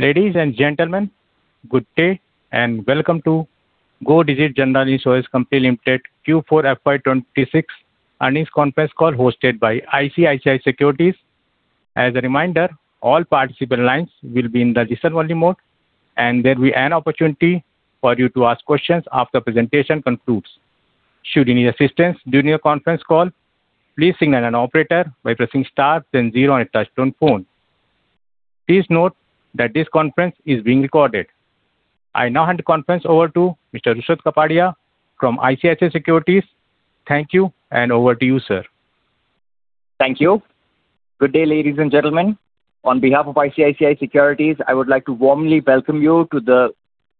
Ladies and gentlemen, good day and welcome to Go Digit General Insurance Company Limited Q4 FY 2026 earnings conference call hosted by ICICI Securities. As a reminder, all participant lines will be in the listen-only mode, and there will be an opportunity for you to ask questions after presentation concludes. Should you need assistance during your conference call, please signal an operator by pressing star then zero on your touchtone phone. Please note that this conference is being recorded. I now hand the conference over to Mr. Rushad Kapadia from ICICI Securities. Thank you, and over to you, sir. Thank you. Good day, ladies and gentlemen. On behalf of ICICI Securities, I would like to warmly welcome you to the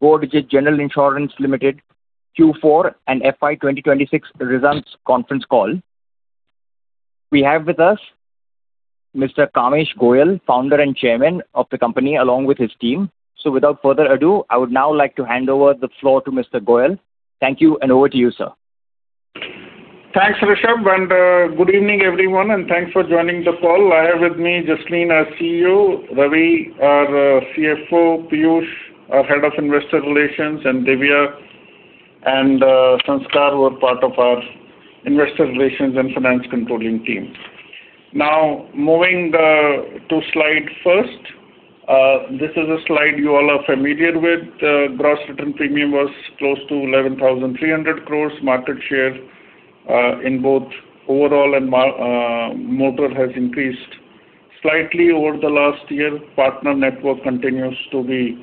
Go Digit General Insurance Limited Q4 and FY 2026 results conference call. We have with us Mr. Kamesh Goyal, Founder and Chairman of the company, along with his team. Without further ado, I would now like to hand over the floor to Mr. Goyal. Thank you, and over to you, sir. Thanks, Rushad, and good evening, everyone, and thanks for joining the call. I have with me Jasleen, our CEO, Ravi, our CFO, Piyush, our head of investor relations, and Divya and Sanskar, who are part of our investor relations and finance controlling team. Moving to slide first. This is a slide you all are familiar with. The gross written premium was close to 11,300 crore. Market share in both overall and motor has increased slightly over the last year. Partner network continues to be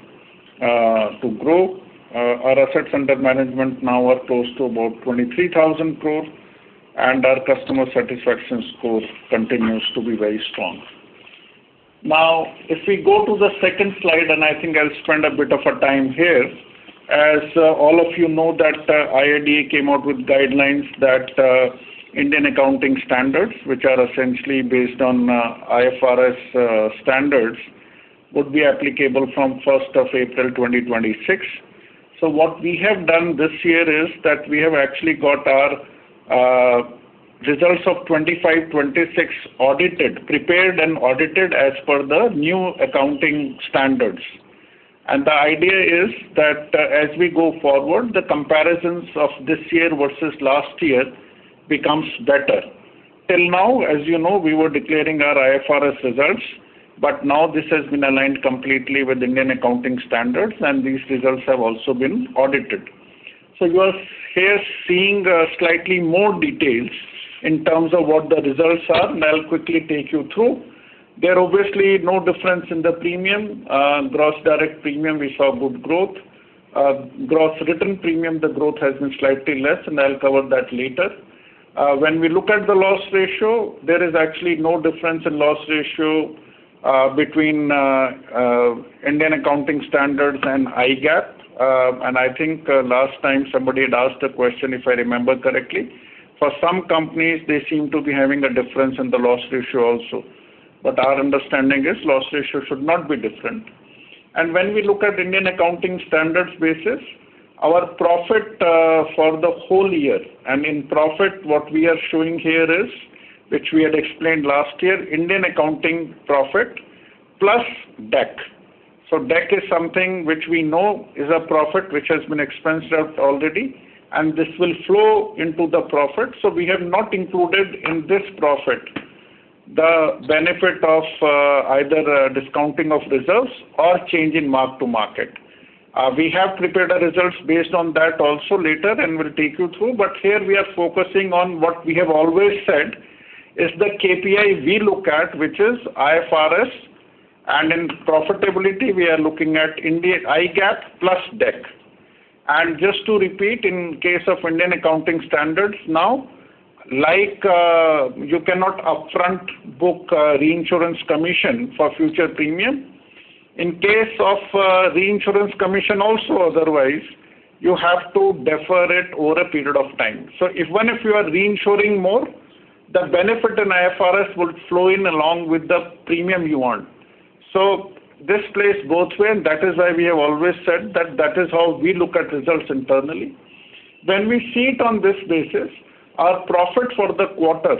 to grow. Our assets under management now are close to about 23,000 crore, and our customer satisfaction score continues to be very strong. If we go to the second slide, and I think I'll spend a bit of our time here. As all of you know that IRDAI came out with guidelines that Indian Accounting Standards, which are essentially based on IFRS standards, would be applicable from April 1, 2026. What we have done this year is that we have actually got our results of 2025-2026 prepared and audited as per the new Accounting Standards. The idea is that as we go forward, the comparisons of this year versus last year becomes better. Till now, as you know, we were declaring our IFRS results, but now this has been aligned completely with Indian Accounting Standards, and these results have also been audited. You are here seeing slightly more details in terms of what the results are, and I will quickly take you through. There are obviously no difference in the premium. Gross Direct Premium, we saw good growth. Gross written premium, the growth has been slightly less, and I'll cover that later. When we look at the loss ratio, there is actually no difference in loss ratio between Indian accounting standards and IGAAP. I think last time somebody had asked a question, if I remember correctly. For some companies, they seem to be having a difference in the loss ratio also. Our understanding is loss ratio should not be different. When we look at Indian accounting standards basis, our profit for the whole year, and in profit, what we are showing here is, which we had explained last year, Indian accounting profit plus DAC. DAC is something which we know is a profit which has been expensed out already, and this will flow into the profit. We have not included in this profit the benefit of either a discounting of reserves or change in mark to market. We have prepared our results based on that also later, and we'll take you through. Here we are focusing on what we have always said is the KPI we look at, which is IFRS and in profitability we are looking at Indian GAAP plus DAC. Just to repeat, in case of Indian accounting standards now, like, you cannot upfront book a reinsurance commission for future premium. In case of reinsurance commission also otherwise, you have to defer it over a period of time. Even if you are reinsuring more, the benefit in IFRS will flow in along with the premium you want. This plays both way, that is why we have always said that that is how we look at results internally. When we see it on this basis, our profit for the quarter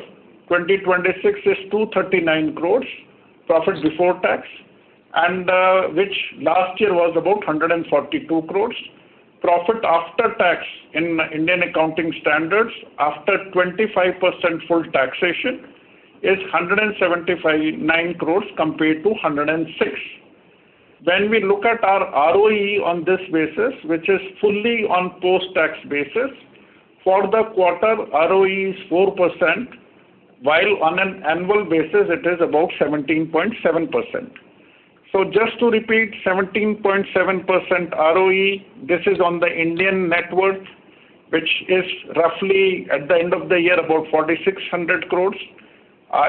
2026 is 239 crore profit before tax, which last year was about 142 crore. Profit after tax in Indian GAAP after 25% full taxation is 179 crore compared to 106 crore. When we look at our ROE on this basis, which is fully on post-tax basis, for the quarter ROE is 4%, while on an annual basis it is about 17.7%. Just to repeat, 17.7% ROE, this is on the Indian net worth, which is roughly at the end of the year, about 4,600 crore.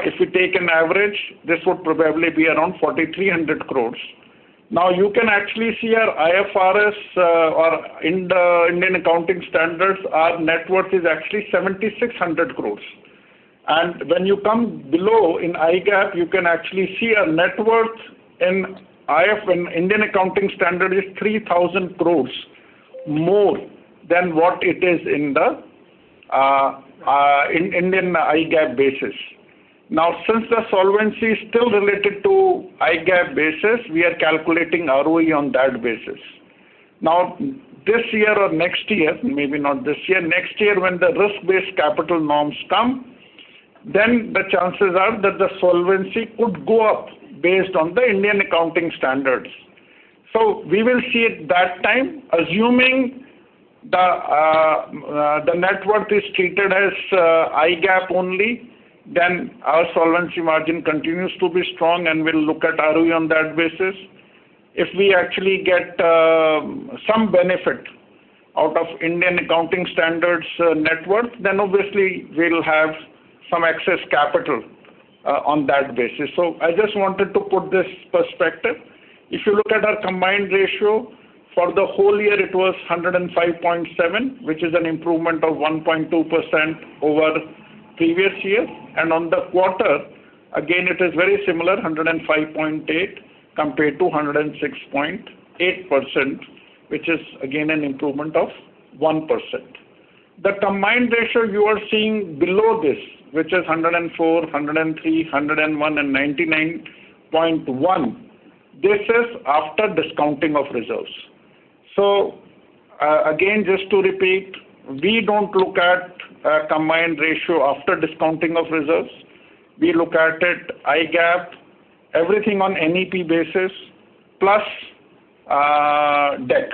If you take an average, this would probably be around 4,300 crores. You can actually see our IFRS, or Indian accounting standards, our net worth is actually 7,600 crores. When you come below in IGAAP, you can actually see our net worth in Indian accounting standard is 3,000 crores more than what it is in the Indian IGAAP basis. Since the solvency is still related to IGAAP basis, we are calculating ROE on that basis. This year or next year, maybe not this year, next year when the risk-based capital norms come, then the chances are that the solvency could go up based on the Indian accounting standards. We will see at that time, assuming the net worth is treated as IGAAP only, then our solvency margin continues to be strong and we'll look at ROE on that basis. If we actually get some benefit out of Indian accounting standards net worth, then obviously we'll have some excess capital on that basis. I just wanted to put this perspective. If you look at our combined ratio, for the whole year it was 105.7, which is an improvement of 1.2% over previous year. On the quarter, again, it is very similar, 105.8 compared to 106.8%, which is again an improvement of 1%. The combined ratio you are seeing below this, which is 104, 103, 101 and 99.1, this is after discounting of reserves. Again, just to repeat, we don't look at a combined ratio after discounting of reserves. We look at it IGAAP, everything on NEP basis, plus, DAC.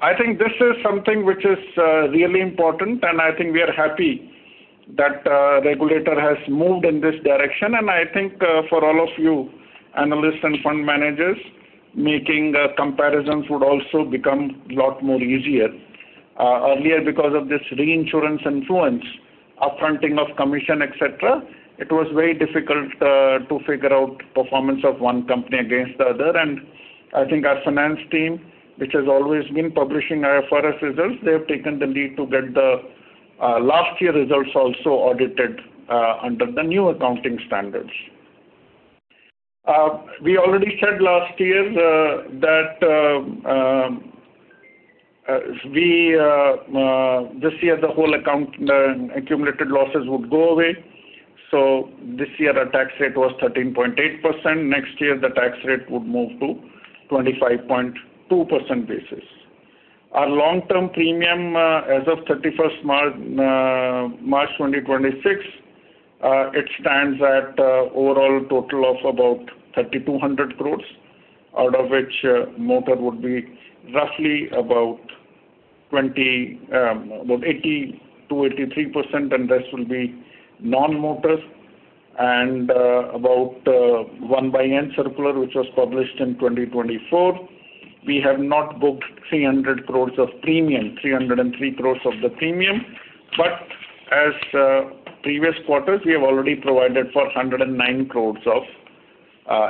I think this is something which is really important, and I think we are happy that regulator has moved in this direction. I think for all of you analysts and fund managers, making comparisons would also become a lot more easier. Earlier because of this reinsurance influence, up-fronting of commission, et cetera, it was very difficult to figure out performance of one company against the other. I think our finance team, which has always been publishing our IFRS results, they have taken the lead to get the last year results also audited under the new accounting standards. We already said last year that we this year the whole account, the accumulated losses would go away. This year our tax rate was 13.8%. Next year, the tax rate would move to 25.2% basis. Our long-term premium, as of 31st March 2026, it stands at overall total of about 3,200 crore, out of which motor would be roughly about 80%-83%, and rest will be non-motor. About 1/nth circular which was published in 2024, we have not booked 300 crores of premium, 303 crores of the premium. As previous quarters, we have already provided for 109 crores of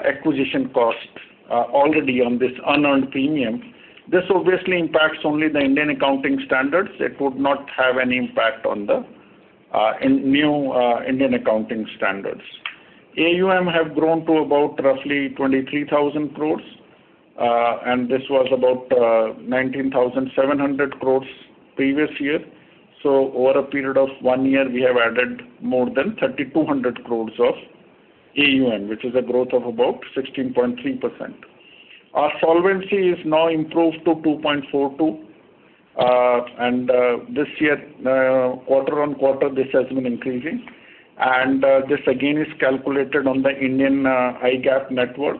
acquisition costs already on this unearned premium. This obviously impacts only the Indian accounting standards. It would not have any impact on the in new Indian accounting standards. AUM have grown to about roughly 23,000 crores. This was about 19,700 crores previous year. Over a period of one year, we have added more than 3,200 crores of AUM, which is a growth of about 16.3%. Our solvency is now improved to 2.42. This year, quarter-on-quarter, this has been increasing. This again is calculated on the Indian GAAP net worth.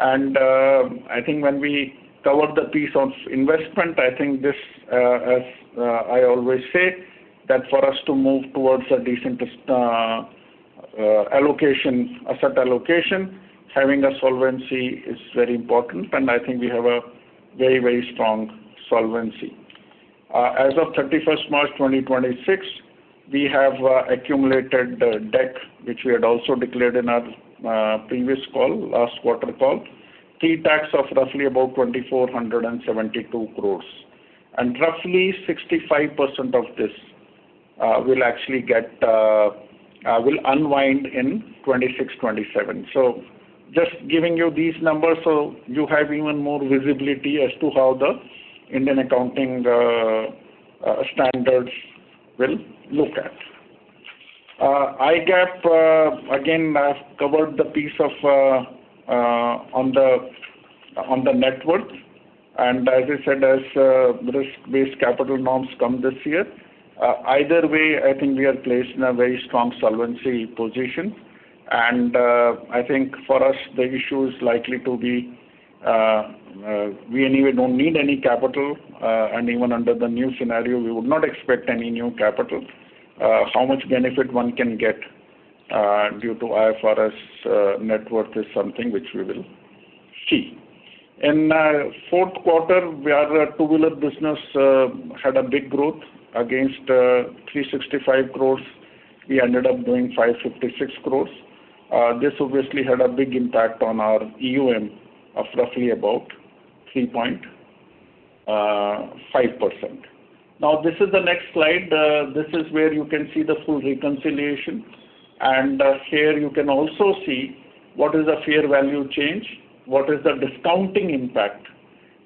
I think when we cover the piece of investment, I think this as I always say, that for us to move towards a decent allocation, asset allocation, having a solvency is very important. I think we have a very, very strong solvency. As of 31st March 2026, we have accumulated debt, which we had also declared in our previous call, last quarter call. Pre-tax of roughly about 2,472 crore. Roughly 65% of this will actually get will unwind in 2026, 2027. Just giving you these numbers so you have even more visibility as to how the Indian accounting standards will look at. IGAAP, again, I've covered the piece of on the net worth. As I said, as risk-based capital norms come this year, either way, I think we are placed in a very strong solvency position. I think for us the issue is likely to be, we anyway don't need any capital, and even under the new scenario we would not expect any new capital. How much benefit one can get due to IFRS net worth is something which we will see. In fourth quarter, our two-wheeler business had a big growth against 365 crore. We ended up doing 556 crore. This obviously had a big impact on our AUM of roughly about 3.5%. This is the next slide. This is where you can see the full reconciliation. Here you can also see what is the fair value change, what is the discounting impact.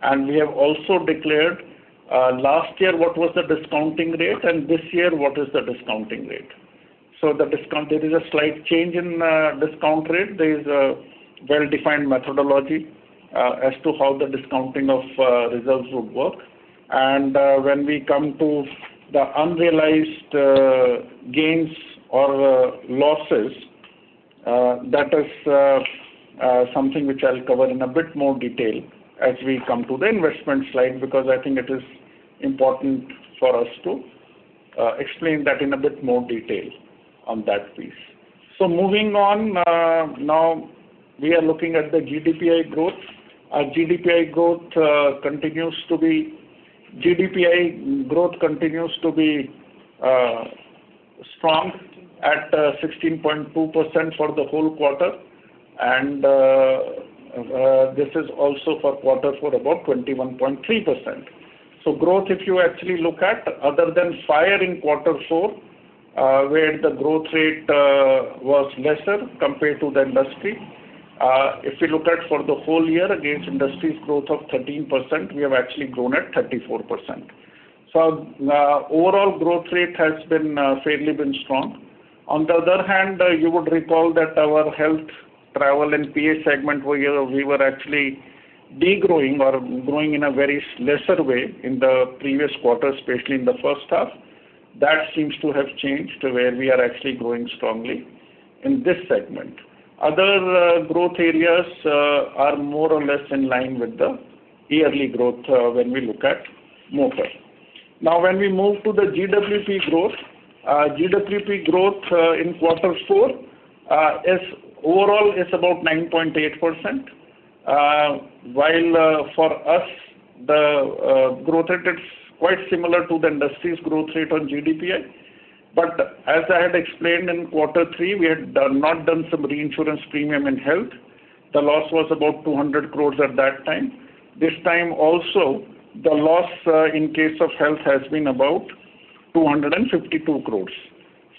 And we have also declared last year what was the discounting rate and this year what is the discounting rate. There is a slight change in discount rate. There is a well-defined methodology as to how the discounting of reserves would work. When we come to the unrealized gains or losses, that is something which I'll cover in a bit more detail as we come to the investment slide, because I think it is important for us to explain that in a bit more detail on that piece. Moving on, now we are looking at the GDPI growth. Our GDPI growth continues to be strong at 16.2% for the whole quarter, and this is also for quarter four about 21.3%. Growth, if you actually look at, other than fire in quarter four, where the growth rate was lesser compared to the industry, if you look at for the whole year against industry's growth of 13%, we have actually grown at 34%. Overall growth rate has been fairly been strong. On the other hand, you would recall that our health travel and PA segment where we were actually degrowing or growing in a very lesser way in the previous quarter, especially in the first half. That seems to have changed where we are actually growing strongly in this segment. Other growth areas are more or less in line with the yearly growth when we look at motor. When we move to the GWP growth, GWP growth in quarter four is overall about 9.8%, while for us the growth rate is quite similar to the industry's growth rate on GDPI. As I had explained in quarter three, we had not done some reinsurance premium in health. The loss was about 200 crores at that time. This time also the loss in case of health has been about 252 crores.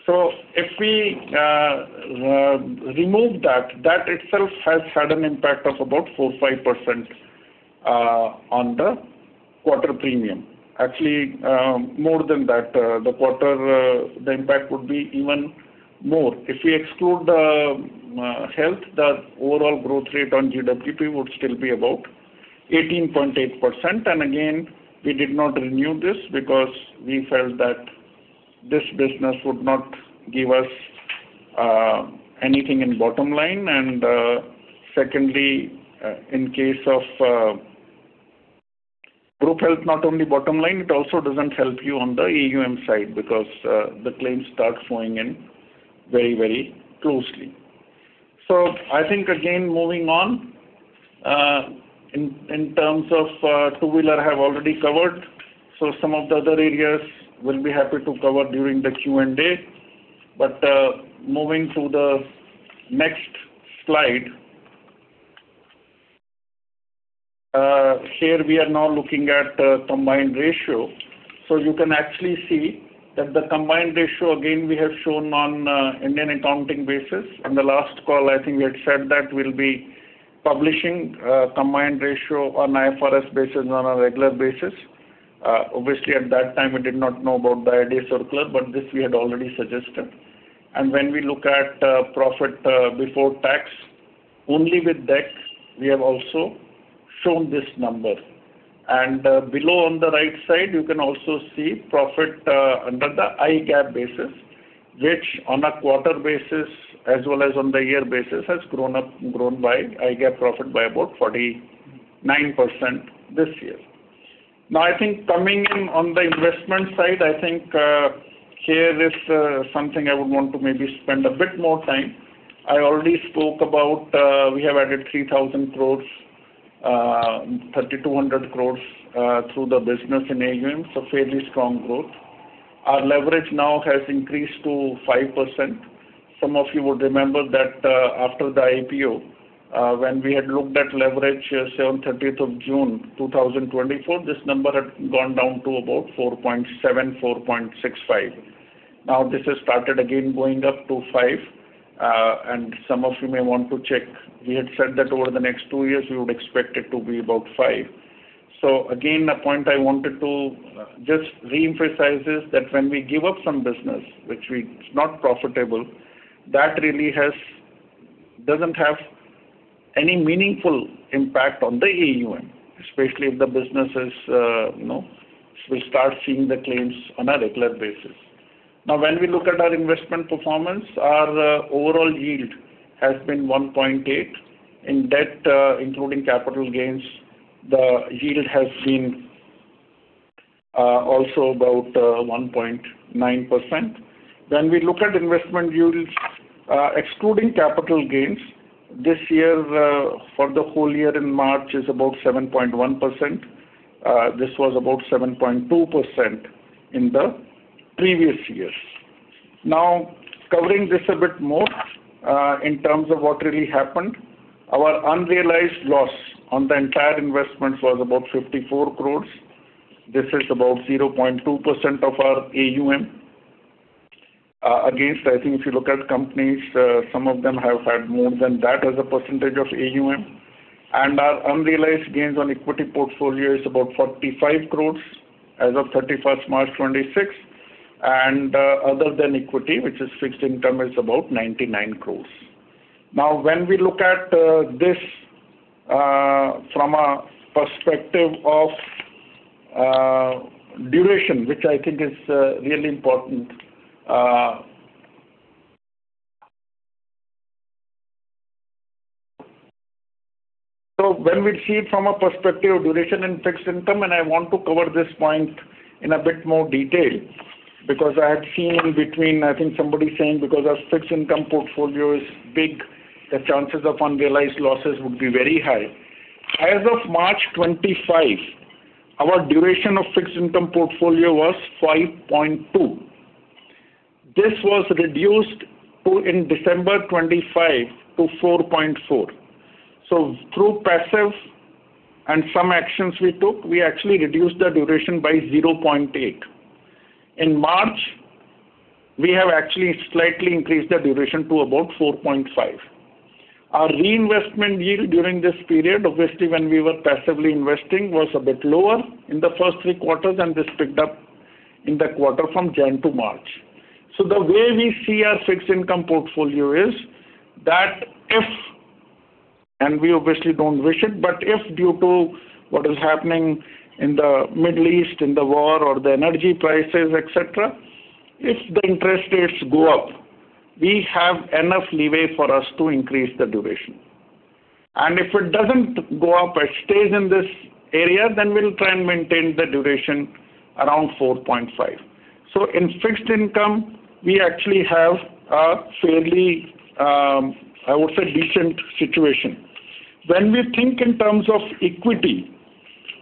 If we remove that itself has had an impact of about 4%-5% on the quarter premium. Actually, more than that, the quarter, the impact would be even more. If we exclude the health, the overall growth rate on GWP would still be about 18.8%. We did not renew this because we felt that this business would not give us anything in bottom line. Secondly, in case of group health, not only bottom line, it also doesn't help you on the AUM side because the claims start flowing in very, very closely. Moving on, in terms of two-wheeler I have already covered, so some of the other areas we'll be happy to cover during the Q&A. Moving to the next slide. Here we are now looking at the combined ratio. You can actually see that the combined ratio again we have shown on Indian accounting basis. On the last call, I think we had said that we'll be publishing combined ratio on IFRS basis on a regular basis. Obviously, at that time we did not know about the IRDAI Circular, but this we had already suggested. When we look at profit before tax, only with DAC we have also shown this number. Below on the right side you can also see profit under the Indian GAAP basis, which on a quarter basis as well as on the year basis has grown by Indian GAAP profit by about 49% this year. I think coming in on the investment side, I think here is something I would want to maybe spend a bit more time. I already spoke about, we have added 3,000 crores, 3,200 crores through the business in AUM, so fairly strong growth. Our leverage now has increased to 5%. Some of you would remember that after the IPO, when we had looked at leverage as on June 30, 2024, this number had gone down to about 4.7, 4.65. Now this has started again going up to five. Some of you may want to check. We had said that over the next two years we would expect it to be about five. Again, a point I wanted to just reemphasize is that when we give up some business which is not profitable, that doesn't have any meaningful impact on the AUM, especially if the business is, you know, we start seeing the claims on a regular basis. When we look at our investment performance, our overall yield has been 1.8%. In debt, including capital gains, the yield has been also about 1.9%. When we look at investment yields, excluding capital gains this year, for the whole year in March is about 7.1%. This was about 7.2% in the previous years. Covering this a bit more, in terms of what really happened. Our unrealized loss on the entire investment was about 54 crores. This is about 0.2% of our AUM. Against, I think if you look at companies, some of them have had more than that as a percentage of AUM. Our unrealized gains on equity portfolio is about 45 crores as of 31st March 2026. Other than equity, which is fixed income, is about 99 crores. When we look at this from a perspective of duration, which I think is really important. When we see it from a perspective of duration in fixed income, and I want to cover this point in a bit more detail because I had seen between, I think somebody saying because our fixed income portfolio is big, the chances of unrealized losses would be very high. As of March 2025, our duration of fixed income portfolio was 5.2. This was reduced in December 2025 to 4.4. Through passive and some actions we took, we actually reduced the duration by 0.8. In March, we have actually slightly increased the duration to about 4.5. Our reinvestment yield during this period, obviously, when we were passively investing, was a bit lower in the first three quarters, and this picked up in the quarter from January to March. The way we see our fixed income portfolio is that if, and we obviously don't wish it, but if due to what is happening in the Middle East, in the war or the energy prices, et cetera, if the interest rates go up, we have enough leeway for us to increase the duration. If it doesn't go up, it stays in this area, then we'll try and maintain the duration around 4.5. In fixed income we actually have a fairly, I would say decent situation. When we think in terms of equity,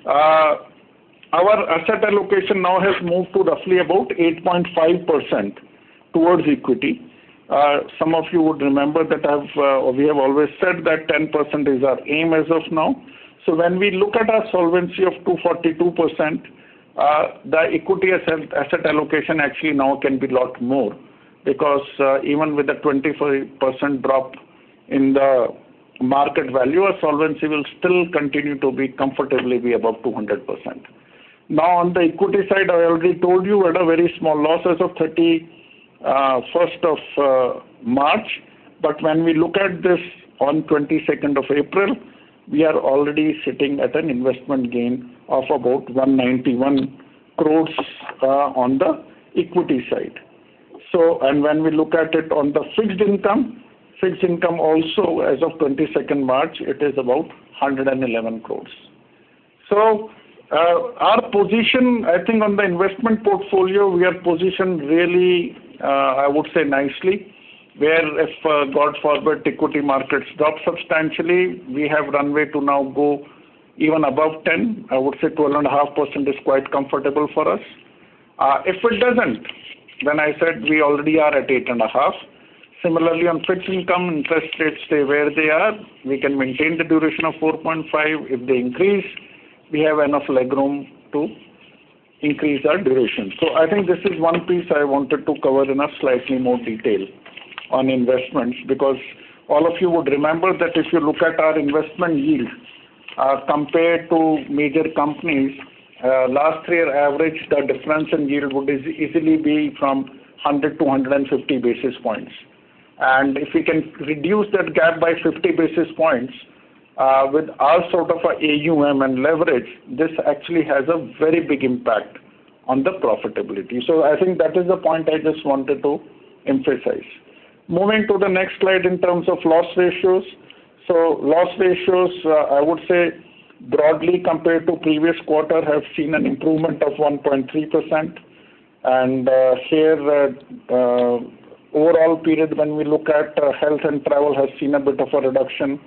our asset allocation now has moved to roughly about 8.5% towards equity. Some of you would remember that we have always said that 10% is our aim as of now. When we look at our solvency of 242%, the equity asset allocation actually now can be a lot more because even with the 25% drop in the market value, our solvency will still continue to be comfortably be above 200%. Now, on the equity side, I already told you we had a very small loss as of 31st of March. When we look at this on 22nd of April, we are already sitting at an investment gain of about 191 crores on the equity side. When we look at it on the fixed income, fixed income also as of 22nd March, it is about 111 crores. Our position, I think on the investment portfolio, we are positioned really, I would say nicely where if, God forbid, equity markets drop substantially, we have runway to now go even above 10. I would say 12.5% is quite comfortable for us. If it doesn't, then I said we already are at 8.5. On fixed income, interest rates stay where they are. We can maintain the duration of 4.5. If they increase, we have enough leg room to increase our duration. I think this is one piece I wanted to cover in a slightly more detail on investments, because all of you would remember that if you look at our investment yield, compared to major companies, last year average, the difference in yield would easily be from 100 basis points-150 basis points. If we can reduce that gap by 50 basis points, with our sort of a AUM and leverage, this actually has a very big impact on the profitability. I think that is the point I just wanted to emphasize. Moving to the next slide in terms of loss ratios. Loss ratios, I would say broadly compared to previous quarter, have seen an improvement of 1.3%. Here the overall period when we look at health and travel has seen a bit of a reduction.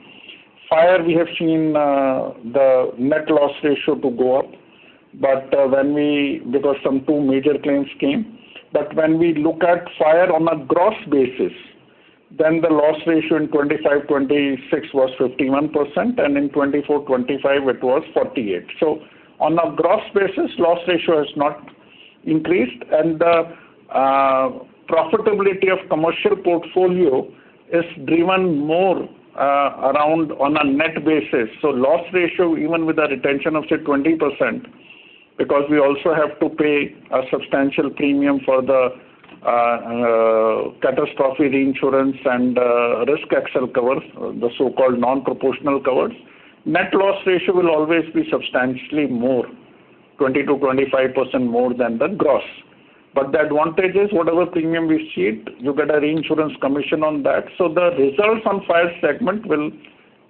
Fire we have seen the net loss ratio to go up. Because some two major claims came. When we look at fire on a gross basis, then the loss ratio in 2025, 2026 was 51%, and in 2024, 2025 it was 48%. On a gross basis, loss ratio has not increased. The profitability of commercial portfolio is driven more around on a net basis. Loss ratio, even with the retention of say 20%, because we also have to pay a substantial premium for the catastrophe reinsurance andRisk XoL cover, the so-called non-proportional covers. Net loss ratio will always be substantially more, 20%-25% more than the gross. The advantage is whatever premium we cede, you get a reinsurance commission on that. The results on fire segment will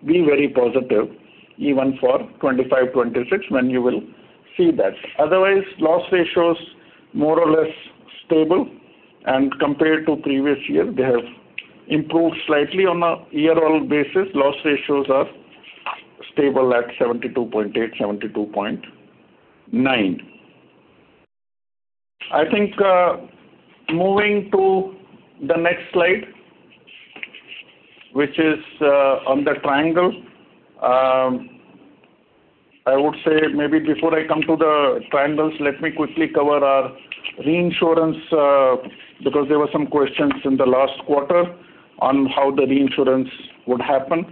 be very positive even for 2025, 2026 when you will see that. Otherwise, loss ratios more or less stable. Compared to previous year, they have improved slightly. On a year-over-year basis, loss ratios are stable at 72.8, 72.9. I think, moving to the next slide, which is on the triangle. I would say maybe before I come to the triangles, let me quickly cover our reinsurance, because there were some questions in the last quarter on how the reinsurance would happen.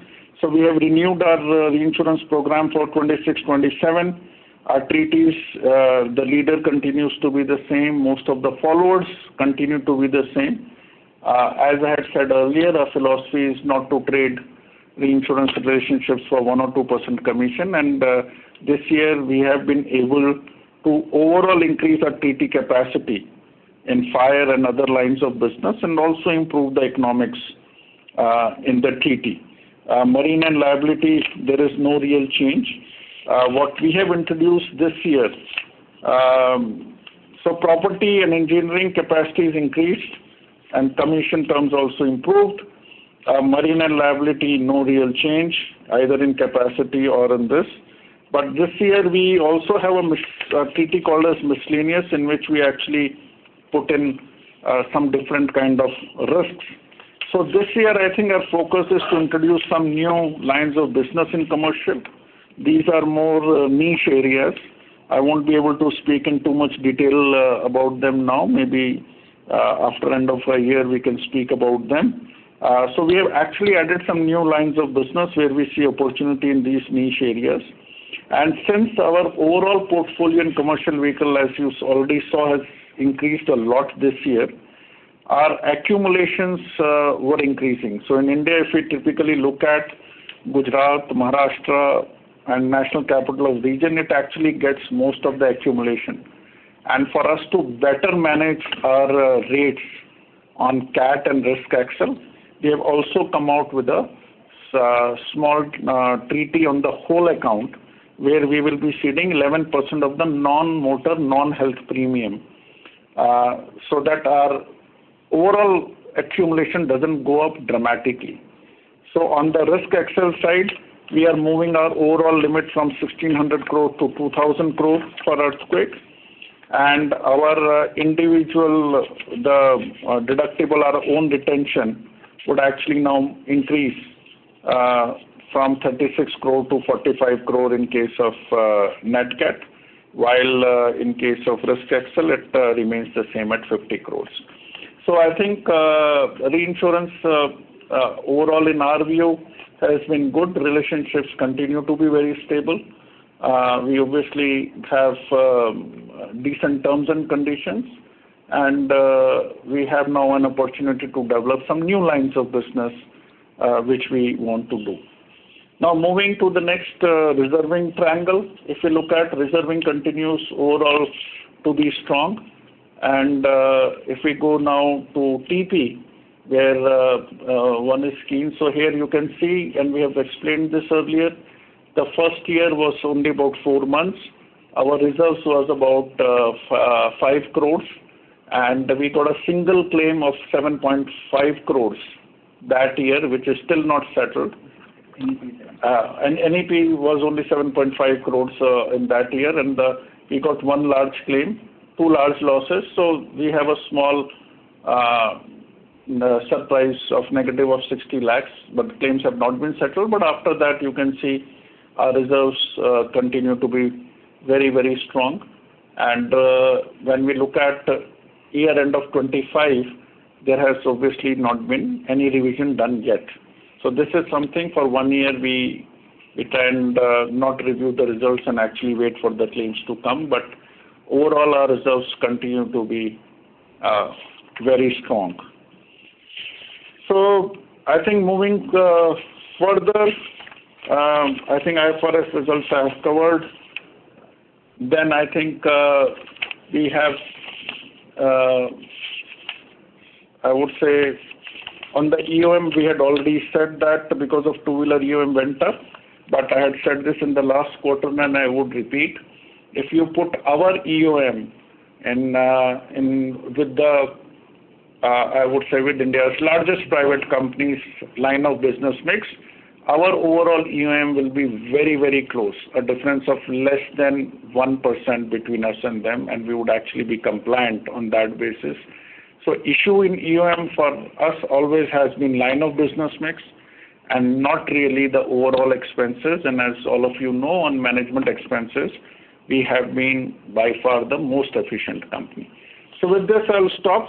We have renewed our reinsurance program for 2026, 2027. Our treaties, the leader continues to be the same. Most of the followers continue to be the same. As I had said earlier, our philosophy is not to trade reinsurance relationships for 1% or 2% commission. This year we have been able to overall increase our treaty capacity in fire and other lines of business and also improve the economics in the treaty. Marine and liability, there is no real change. What we have introduced this year. Property and engineering capacity is increased and commission terms also improved. Marine and liability, no real change either in capacity or in this. This year we also have a treaty called as miscellaneous, in which we actually put in some different kind of risks. This year, I think our focus is to introduce some new lines of business in commercial. These are more niche areas. I won't be able to speak in too much detail about them now. Maybe, after end of a year, we can speak about them. We have actually added some new lines of business where we see opportunity in these niche areas. Since our overall portfolio in commercial vehicle, as you already saw, has increased a lot this year, our accumulations were increasing. In India, if we typically look at Gujarat, Maharashtra and National Capital Region, it actually gets most of the accumulation. For us to better manage our rates on CAT and Risk XoL, we have also come out with a small treaty on the whole account, where we will be ceding 11% of the non-motor, non-health premium so that our overall accumulation doesn't go up dramatically. On the Risk XoL side, we are moving our overall limit from 1,600 crore to 2,000 crore for earthquakes. Our individual, the deductible, our own retention would actually now increase from 36 crore to 45 crore in case of net CAT, while in case of Risk XoL, it remains the same at 50 crore. I think reinsurance overall in our view has been good. Relationships continue to be very stable. We obviously have decent terms and conditions, and we have now an opportunity to develop some new lines of business which we want to do. Now, moving to the next reserving triangle. If you look at reserving continues overall to be strong. If we go now to TP, where one is scheme. Here you can see, and we have explained this earlier, the first year was only about four months. Our reserves was about 5 crores, and we got a single claim of 7.5 crores that year, which is still not settled. NEP seven. NEP was only 7.5 crores in that year. We got one large claim, two large losses. We have a small surplus of negative of 60 lakhs, but the claims have not been settled. After that, you can see our reserves continue to be very, very strong. When we look at year end of 2025, there has obviously not been any revision done yet. This is something for one year we tend not review the results and actually wait for the claims to come. Overall, our reserves continue to be very strong. I think moving further, I think IFRS results I have covered. I think I would say on the EOM, we had already said that because of two-wheeler, EOM went up. I had said this in the last quarter, and I would repeat. If you put our EOM in with India's largest private company's line of business mix, our overall EOM will be very, very close. A difference of less than 1% between us and them, and we would actually be compliant on that basis. Issue in EOM for us always has been line of business mix and not really the overall expenses. As all of you know, on management expenses, we have been by far the most efficient company. With this, I'll stop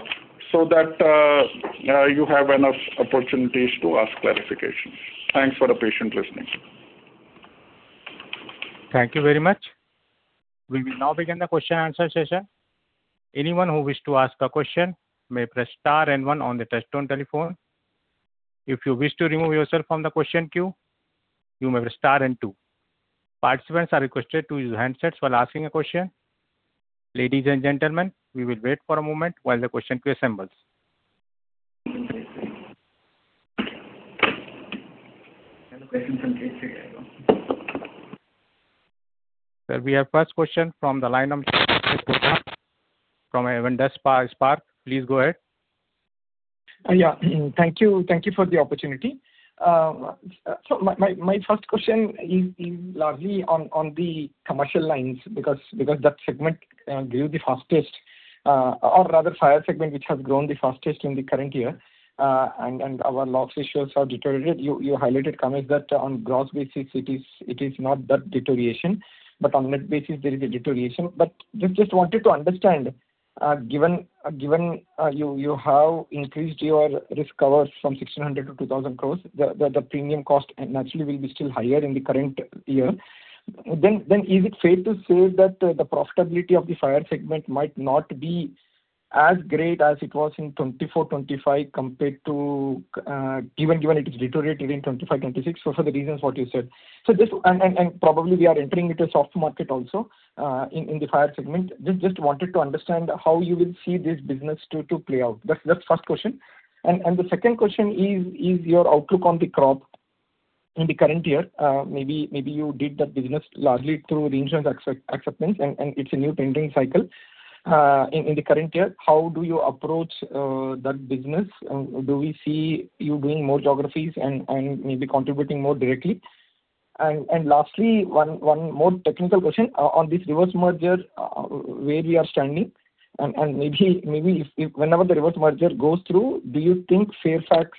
so that you have enough opportunities to ask clarifications. Thanks for the patient listening. Thank you very much. We will now begin the question-answer session. Anyone who wish to ask a question may press star one on the touch-tone telephone. If you wish to remove yourself from the question queue, you may press star two. Participants are requested to use handsets while asking a question. Ladies and gentlemen, we will wait for a moment while the question queue assembles. Sir, we have first question from the line of from Avendus Spark. Please go ahead. Yeah. Thank you. Thank you for the opportunity. My first question is largely on the commercial lines because that segment grew the fastest, or rather fire segment which has grown the fastest in the current year, and our loss ratios are deteriorated. You highlighted, Kamesh, that on gross basis it is not that deterioration, but on net basis there is a deterioration. Just wanted to understand, given you have increased your risk cover from 1,600 crores to 2,000 crores, the premium cost naturally will be still higher in the current year. Is it fair to say that the profitability of the fire segment might not be as great as it was in 2024, 2025 compared to, given it is deteriorating in 2025, 2026 for the reasons what you said. Probably we are entering into soft market also in the fire segment. Wanted to understand how you will see this business to play out. That's first question. The second question is your outlook on the crop in the current year. Maybe you did that business largely through reinsurance acceptance and it's a new pending cycle. In the current year, how do you approach that business? Do we see you doing more geographies and maybe contributing more directly? Lastly, one more technical question. On this reverse merger, where we are standing and maybe if whenever the reverse merger goes through, do you think Fairfax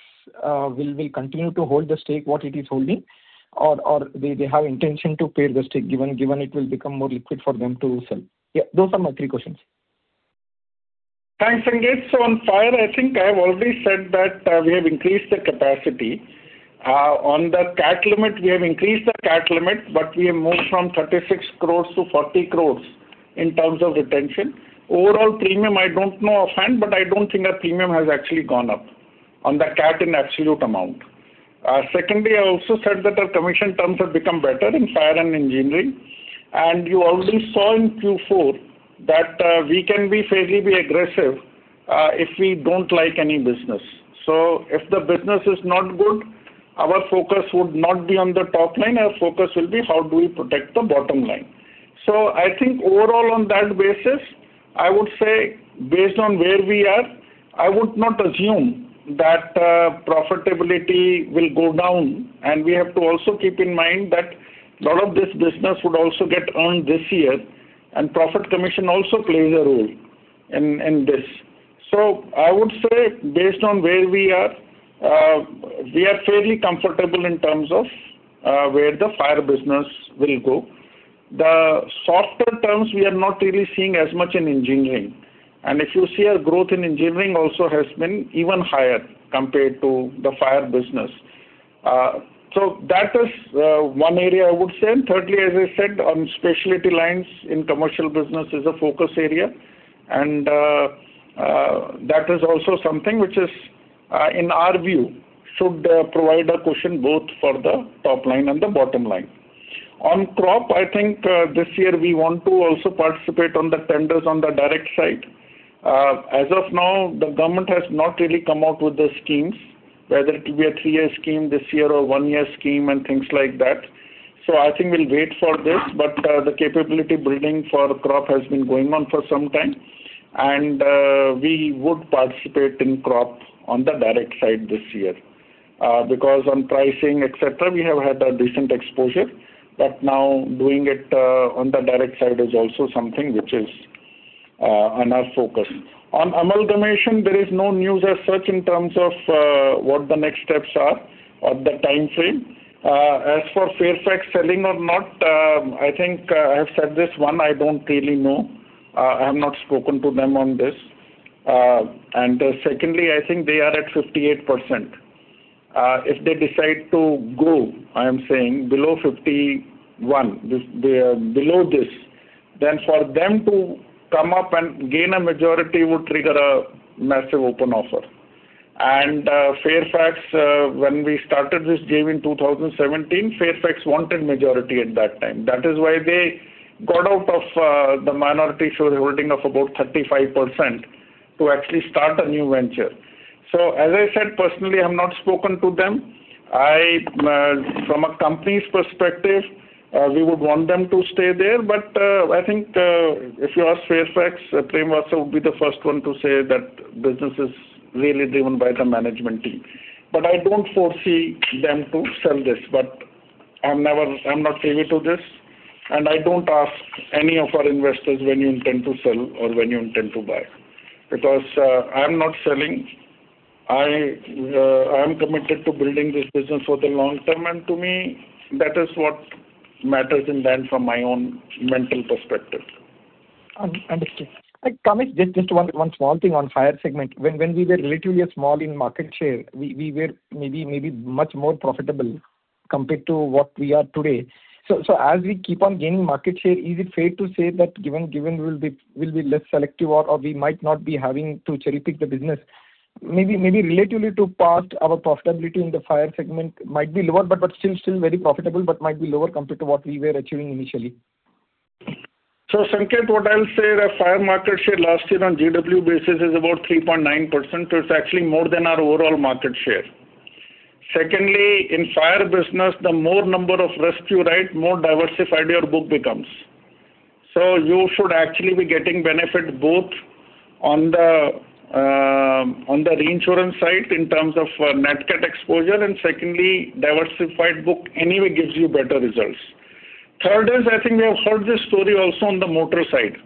will continue to hold the stake what it is holding or they have intention to pare the stake given it will become more liquid for them to sell? Yeah. Those are my three questions. Thanks, Sanketh. On fire, I think I have already said that we have increased the capacity. On the CAT limit, we have increased the CAT limit, but we have moved from 36 crore to 40 crore in terms of retention. Overall premium, I don't know offhand, but I don't think that premium has actually gone up on the CAT in absolute amount. Secondly, I also said that our commission terms have become better in fire and engineering. You already saw in Q4 that we can be fairly aggressive if we don't like any business. If the business is not good, our focus would not be on the top line. Our focus will be how do we protect the bottom line. I think overall on that basis, I would say based on where we are, I would not assume that profitability will go down. We have to also keep in mind that a lot of this business would also get earned this year, and profit commission also plays a role in this. I would say based on where we are, we are fairly comfortable in terms of where the fire business will go. The softer terms we are not really seeing as much in engineering. If you see our growth in engineering also has been even higher compared to the fire business. That is one area I would say. Thirdly, as I said, on specialty lines in commercial business is a focus area. That is also something which is in our view should provide a cushion both for the top line and the bottom line. On crop, I think, this year we want to also participate on the tenders on the direct side. As of now, the government has not really come out with the schemes, whether it will be a three-year scheme this year or one-year scheme and things like that. I think we'll wait for this, but the capability building for crop has been going on for some time. We would participate in crop on the direct side this year. Because on pricing, et cetera, we have had a decent exposure, but now doing it on the direct side is also something which is on our focus. On amalgamation, there is no news as such in terms of what the next steps are or the timeframe. As for Fairfax selling or not, I think I have said this. One, I don't really know. I have not spoken to them on this. Secondly, I think they are at 58%. If they decide to go, I am saying below 51, they are below this, then for them to come up and gain a majority would trigger a massive open offer. Fairfax, when we started this game in 2017, Fairfax wanted majority at that time. That is why they got out of the minority shareholding of about 35% to actually start a new venture. As I said, personally, I've not spoken to them. From a company's perspective, we would want them to stay there. I think, if you ask Fairfax, Prem Watsa would be the first one to say that business is really driven by the management team. I don't foresee them to sell this. I'm not privy to this, and I don't ask any of our investors when you intend to sell or when you intend to buy. I'm not selling. I am committed to building this business for the long term. To me, that is what matters in the end from my own mental perspective. Understood. Kamesh, just one small thing on fire segment. When we were relatively small in market share, we were maybe much more profitable compared to what we are today. As we keep on gaining market share, is it fair to say that given we'll be less selective or we might not be having to cherry-pick the business, maybe relatively to past our profitability in the fire segment might be lower, but still very profitable, but might be lower compared to what we were achieving initially. Sanketh, what I'll say that fire market share last year on GW basis is about 3.9%. It's actually more than our overall market share. Secondly, in fire business, the more number of risk, right, more diversified your book becomes. You should actually be getting benefit both on the reinsurance side in terms of net CAT exposure, and secondly, diversified book anyway gives you better results. Third is I think we have heard this story also on the motor side,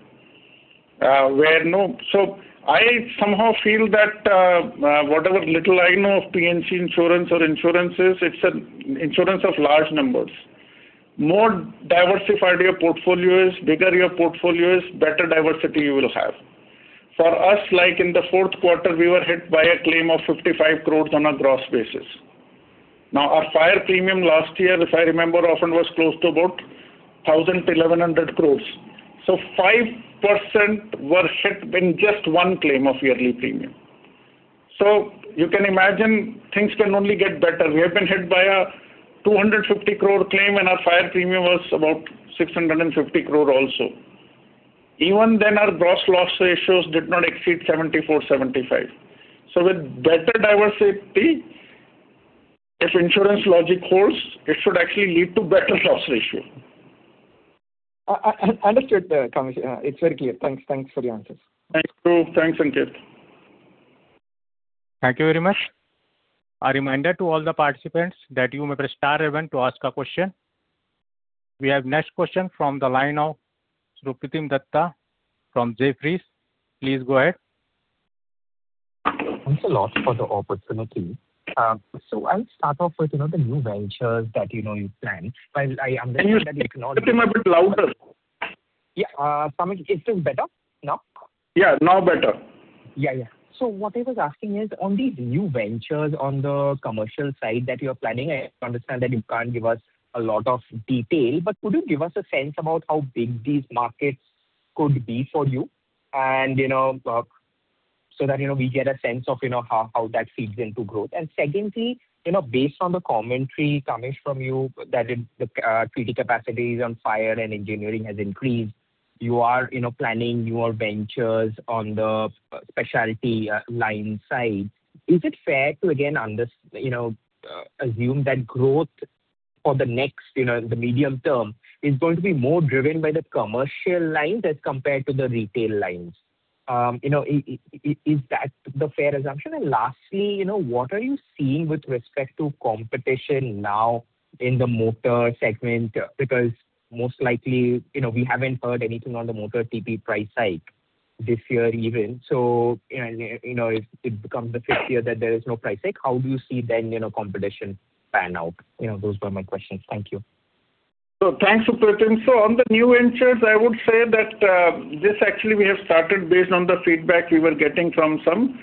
where I somehow feel that whatever little I know of P&C insurance or insurances, it's an insurance of large numbers. More diversified your portfolio is, bigger your portfolio is, better diversity you will have. For us, like in the fourth quarter, we were hit by a claim of 55 crores on a gross basis. Our fire premium last year, if I remember often, was close to about 1,000 crore-1,100 crore. 5% were hit in just one claim of yearly premium. You can imagine things can only get better. We have been hit by a 250 crore claim, and our fire premium was about 650 crore also. Even then, our gross loss ratios did not exceed 74%-75%. With better diversity, if insurance logic holds, it should actually lead to better loss ratio. Understood, Kamesh. It's very clear. Thanks for the answers. Thanks too. Thanks, Sanketh. Thank you very much. A reminder to all the participants that you may press star one one to ask a question. We have next question from the line of Supratim Datta from Jefferies. Please go ahead. Thanks a lot for the opportunity. I'll start off with, you know, the new ventures that, you know, you plan. Can you speak a bit louder? Yeah. Kamesh, is this better now? Yeah, now better. Yeah, yeah. What I was asking is on these new ventures on the commercial side that you're planning, I understand that you can't give us a lot of detail, but could you give us a sense about how big these markets could be for you and, you know, so that, you know, we get a sense of, you know, how that feeds into growth? And secondly, you know, based on the commentary coming from you that the treaty capacity is on fire and engineering has increased, you are, you know, planning new ventures on the specialty line side. Is it fair to again, you know, assume that growth for the next, you know, the medium term is going to be more driven by the commercial lines as compared to the retail lines? You know, is that the fair assumption? Lastly, you know, what are you seeing with respect to competition now in the motor segment? Because most likely, you know, we haven't heard anything on the motor TP price hike this year even. You know, it becomes the fifth year that there is no price hike. How do you see then, you know, competition pan out? You know, those were my questions. Thank you. Thanks, Supratim. On the new ventures, I would say that this actually we have started based on the feedback we were getting from some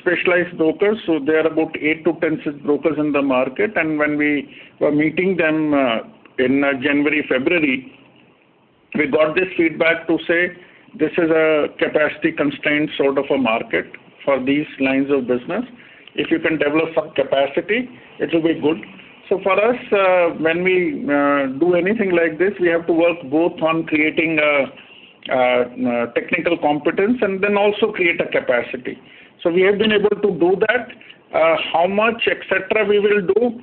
specialized brokers. There are about eight-10 brokers in the market. When we were meeting them, in January, February, we got this feedback to say this is a capacity constraint sort of a market for these lines of business. If you can develop some capacity, it will be good. For us, when we do anything like this, we have to work both on creating technical competence and then also create a capacity. We have been able to do that. How much et cetera we will do,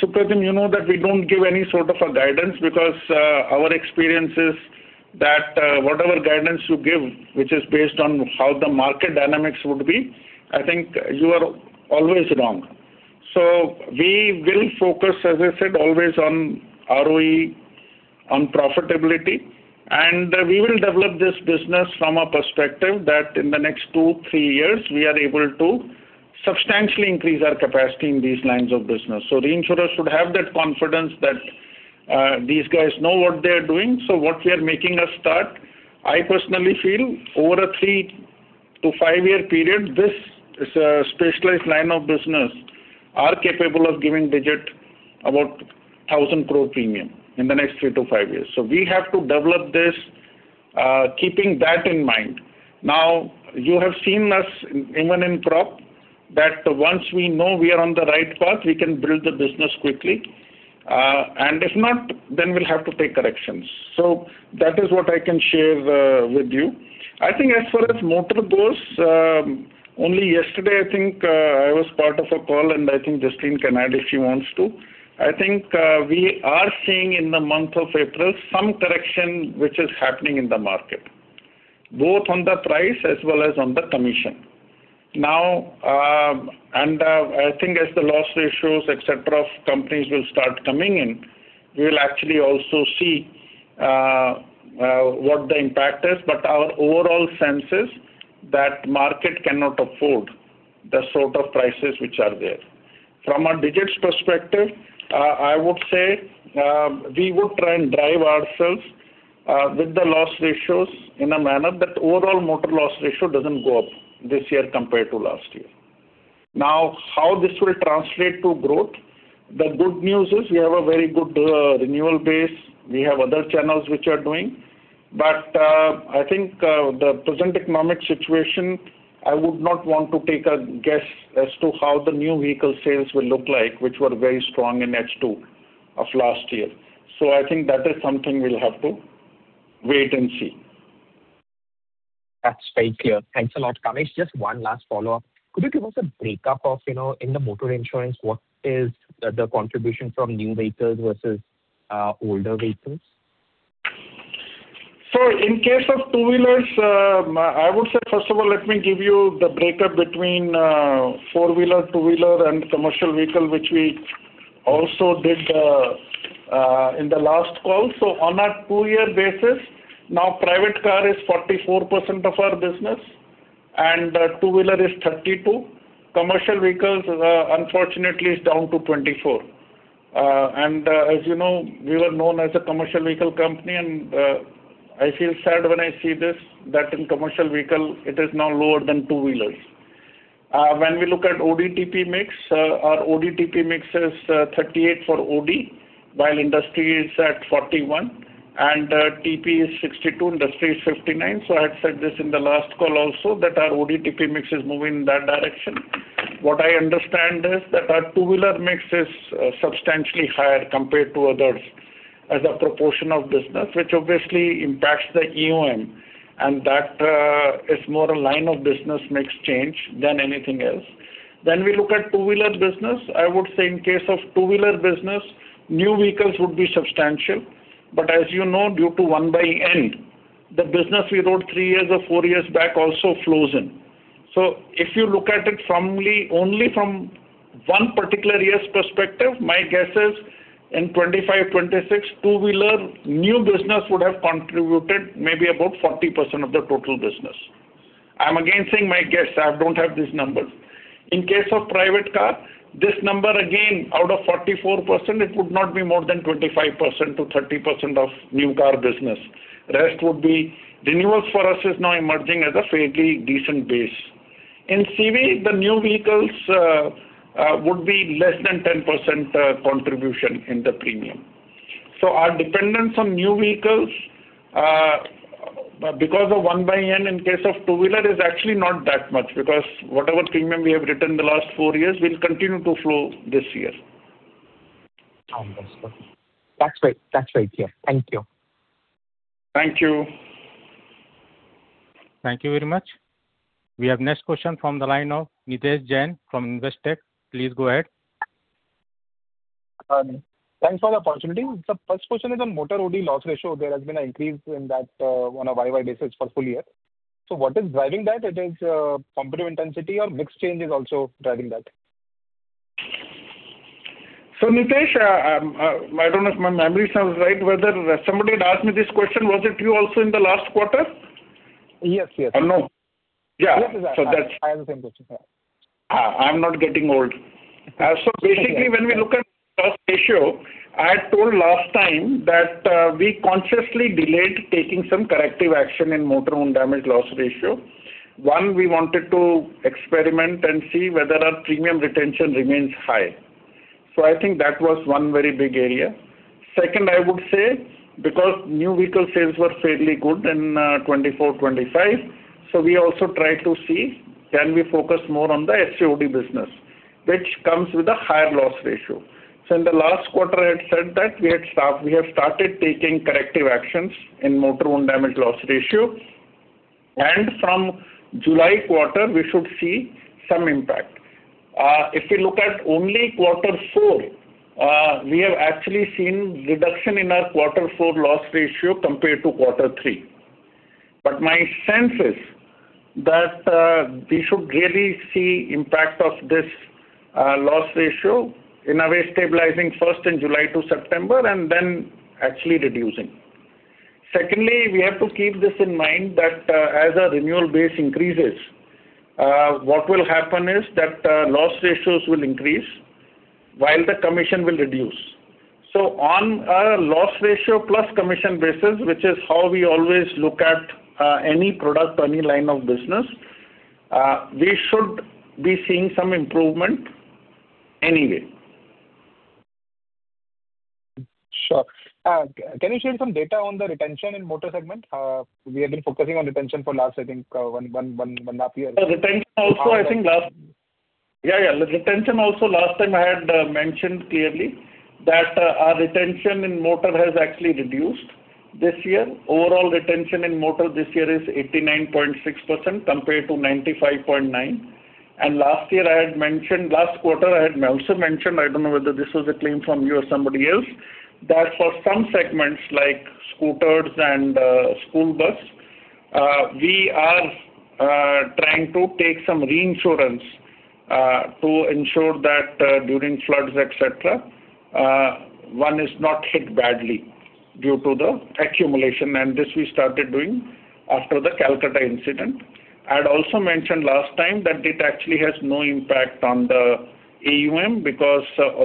Supratim, you know that we don't give any sort of a guidance because our experience is that whatever guidance you give, which is based on how the market dynamics would be, I think you are always wrong. We will focus, as I said, always on ROE, on profitability, and we will develop this business from a perspective that in the next two, three years we are able to substantially increase our capacity in these lines of business. The insurer should have that confidence that these guys know what they're doing. What we are making a start, I personally feel over a three to five-year period, this is a specialized line of business are capable of giving Digit about 1,000 crore premium in the next 3-5 years. We have to develop this, keeping that in mind. You have seen us even in prop that once we know we are on the right path, we can build the business quickly. If not, then we'll have to take corrections. That is what I can share with you. I think as far as motor goes, only yesterday, I think, I was part of a call, and I think Jasleen Kohli can add if she wants to. I think, we are seeing in the month of April some correction which is happening in the market, both on the price as well as on the commission. I think as the loss ratios, et cetera, of companies will start coming in, we'll actually also see what the impact is. Our overall sense is that market cannot afford the sort of prices which are there. From a Digit perspective, I would say, we would try and drive ourselves with the loss ratios in a manner that overall motor loss ratio doesn't go up this year compared to last year. How this will translate to growth, the good news is we have a very good renewal base. We have other channels which are doing. I think the present economic situation, I would not want to take a guess as to how the new vehicle sales will look like, which were very strong in H2 of last year. I think that is something we'll have to wait and see. That's very clear. Thanks a lot. Kamesh, just one last follow-up. Could you give us a breakup of, you know, in the motor insurance, what is the contribution from new vehicles versus older vehicles? In case of two-wheelers, I would say, first of all, let me give you the breakup between four-wheeler, two-wheeler and commercial vehicle, which we also did in the last call. On a two-year basis, now private car is 44% of our business and two-wheeler is 32. Commercial vehicles, unfortunately is down to 24. And as you know, we were known as a commercial vehicle company, and I feel sad when I see this, that in commercial vehicle it is now lower than two-wheelers. When we look at OD TP mix, our OD TP mix is 38 for OD, while industry is at 41 and TP is 62, industry is 59. I had said this in the last call also that our OD TP mix is moving in that direction. What I understand is that our two-wheeler mix is substantially higher compared to others as a proportion of business, which obviously impacts the EOM, and that is more a line of business mix change than anything else. We look at two-wheeler business. I would say in case of two-wheeler business, new vehicles would be substantial. As you know, due to 1/n, the business we wrote three years or four years back also flows in. If you look at it only from 1 particular year's perspective, my guess is in 2025, 2026, two-wheeler new business would have contributed maybe about 40% of the total business. I'm again saying my guess. I don't have these numbers. In case of private car, this number again, out of 44%, it would not be more than 25%-30% of new car business. Renewal for us is now emerging as a fairly decent base. In CV, the new vehicles would be less than 10% contribution in the premium. Our dependence on new vehicles, because of 1/n in case of two-wheeler is actually not that much, because whatever premium we have written the last four years will continue to flow this year. Understood. That's right. That's right. Yeah. Thank you. Thank you. Thank you very much. We have next question from the line of Nidhesh Jain from Investec. Please go ahead. Thanks for the opportunity. First question is on motor OD loss ratio. There has been an increase in that, on a year-over-year basis for full year. What is driving that? It is competitive intensity or mix change is also driving that? Nidhesh, I don't know if my memory serves right whether somebody had asked me this question. Was it you also in the last quarter? Yes. Yes. No? Yeah. Yes, it was I. that's- I have the same question. Yeah. I'm not getting old. Yeah. Basically when we look at loss ratio, I had told last time that we consciously delayed taking some corrective action in motor-owned damage loss ratio. One, we wanted to experiment and see whether our premium retention remains high. I think that was one very big area. Second, I would say because new vehicle sales were fairly good in 2024, 2025, we also tried to see, can we focus more on the SAOD business, which comes with a higher loss ratio. In the last quarter, I had said that we have started taking corrective actions in motor-owned damage loss ratio, and from July quarter we should see some impact. If we look at only Q4, we have actually seen reduction in our Q4 loss ratio compared to Q3. My sense is that we should really see impact of this loss ratio in a way stabilizing first in July to September and then actually reducing. Secondly, we have to keep this in mind that as our renewal base increases, what will happen is that loss ratios will increase while the commission will reduce. On our loss ratio plus commission basis, which is how we always look at any product or any line of business, we should be seeing some improvement anyway. Sure. Can you share some data on the retention in motor segment? We have been focusing on retention for last, I think, one and a half year. Yeah, yeah. Retention also last time I had mentioned clearly that our retention in motor has actually reduced this year. Overall retention in motor this year is 89.6% compared to 95.9%. Last quarter I had also mentioned, I don't know whether this was a claim from you or somebody else, that for some segments like scooters and school bus, we are trying to take some reinsurance to ensure that during floods, et cetera, one is not hit badly due to the accumulation. This we started doing after the Calcutta incident. I had also mentioned last time that it actually has no impact on the AUM because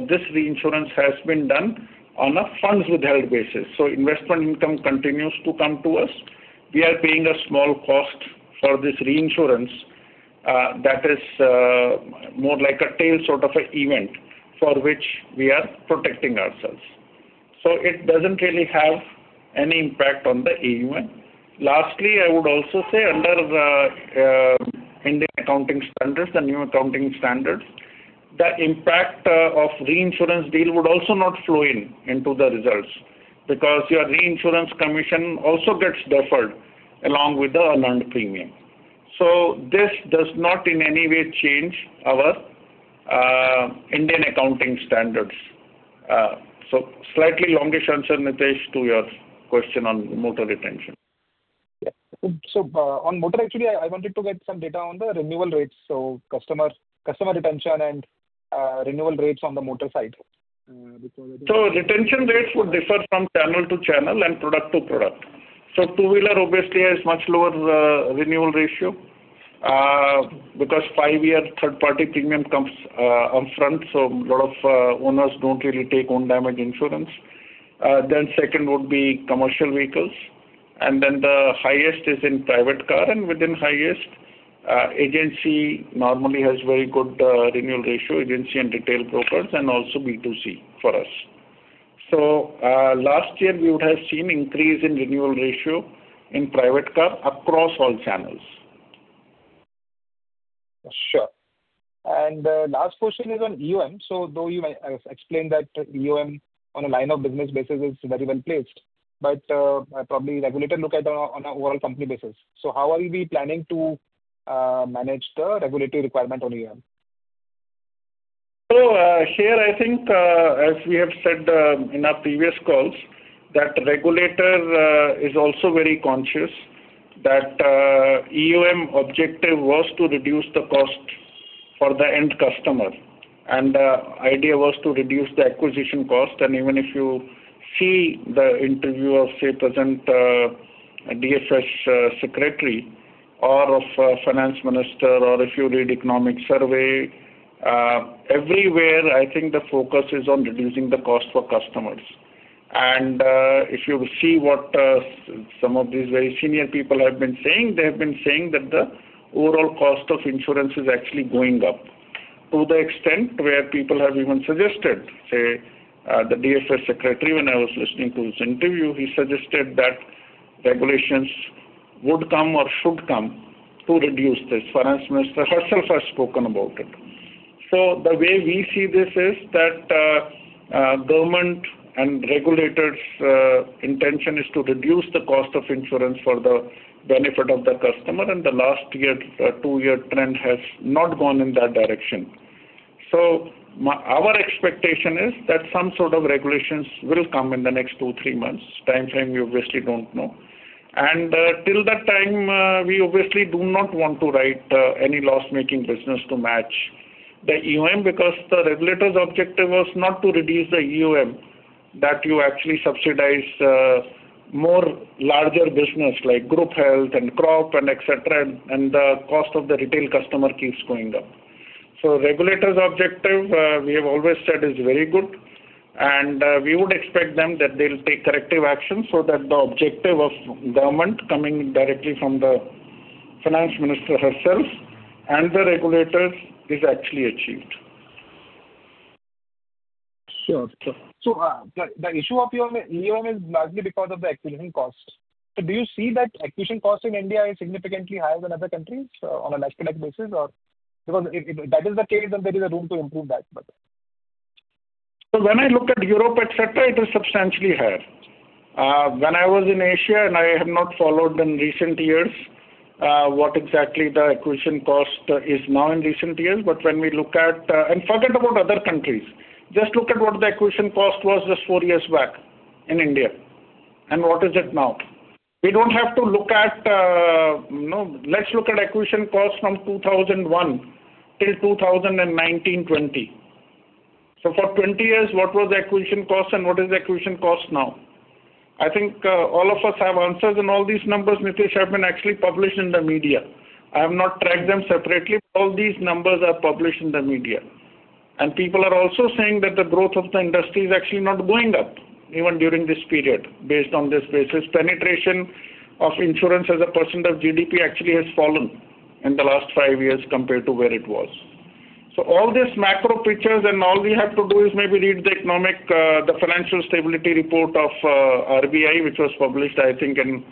this reinsurance has been done on a funds withheld basis. Investment income continues to come to us. We are paying a small cost for this reinsurance, that is more like a tail sort of a event for which we are protecting ourselves. It doesn't really have any impact on the AUM. Lastly, I would also say under the Indian accounting standards, the new accounting standards, the impact of reinsurance deal would also not flow in into the results because your reinsurance commission also gets deferred along with the unearned premium. This does not in any way change our Indian accounting standards. Slightly longish answer, Nidhesh, to your question on motor retention. Yeah. On motor actually I wanted to get some data on the renewal rates, so customer retention and renewal rates on the motor side. Retention rates would differ from channel to channel and product to product. Two-wheeler obviously has much lower renewal ratio because five-year third-party premium comes up front, a lot of owners don't really take Own Damage insurance. Second would be commercial vehicles. The highest is in private car, and within highest, agency normally has very good renewal ratio, agency and retail brokers, and also B2C for us. Last year we would have seen increase in renewal ratio in private car across all channels. Sure. Last question is on EOM. Though you explained that EOM on a line of business basis is very well placed, but, probably regulator look at on a overall company basis. How are you planning to manage the regulatory requirement on EOM? Here I think, as we have said, in our previous calls that regulator is also very conscious that EOM objective was to reduce the cost for the end customer. The idea was to reduce the acquisition cost. Even if you see the interview of, say, present DFS Secretary or of Finance Minister or if you read Economic Survey, everywhere I think the focus is on reducing the cost for customers. If you see what some of these very senior people have been saying, they have been saying that the overall cost of insurance is actually going up to the extent where people have even suggested. Say, the DFS Secretary, when I was listening to his interview, he suggested that regulations would come or should come to reduce this. Finance minister herself has spoken about it. The way we see this is that government and Regulators' intention is to reduce the cost of insurance for the benefit of the customer, and the last year, two-year trend has not gone in that direction. Our expectation is that some sort of regulations will come in the next 2-3 months. Timeframe we obviously don't know. Till that time, we obviously do not want to write any loss-making business to match the EOM because the Regulator's objective was not to reduce the EOM that you actually subsidize more larger business like group health and crop and et cetera, and the cost of the retail customer keeps going up. Regulator's objective, we have always said is very good. We would expect them that they'll take corrective action so that the objective of government coming directly from the finance minister herself and the regulators is actually achieved. Sure. The issue of EOM is largely because of the acquisition cost. Do you see that acquisition cost in India is significantly higher than other countries on a like-to-like basis? If that is the case, then there is a room to improve that. When I look at Europe, et cetera, it is substantially higher. When I was in Asia and I have not followed in recent years, what exactly the acquisition cost is now in recent years. When we look at, and forget about other countries. Just look at what the acquisition cost was just four years back in India and what is it now. We don't have to look at. Let's look at acquisition cost from 2001 till 2019, 2020. For 20 years, what was acquisition cost and what is acquisition cost now? I think, all of us have answers and all these numbers, Nidhesh, have been actually published in the media. I have not tracked them separately. All these numbers are published in the media. People are also saying that the growth of the industry is actually not going up even during this period based on this basis. Penetration of insurance as a percent of GDP actually has fallen in the last five years compared to where it was. All these macro pictures and all we have to do is maybe read the economic, the financial stability report of RBI, which was published I think in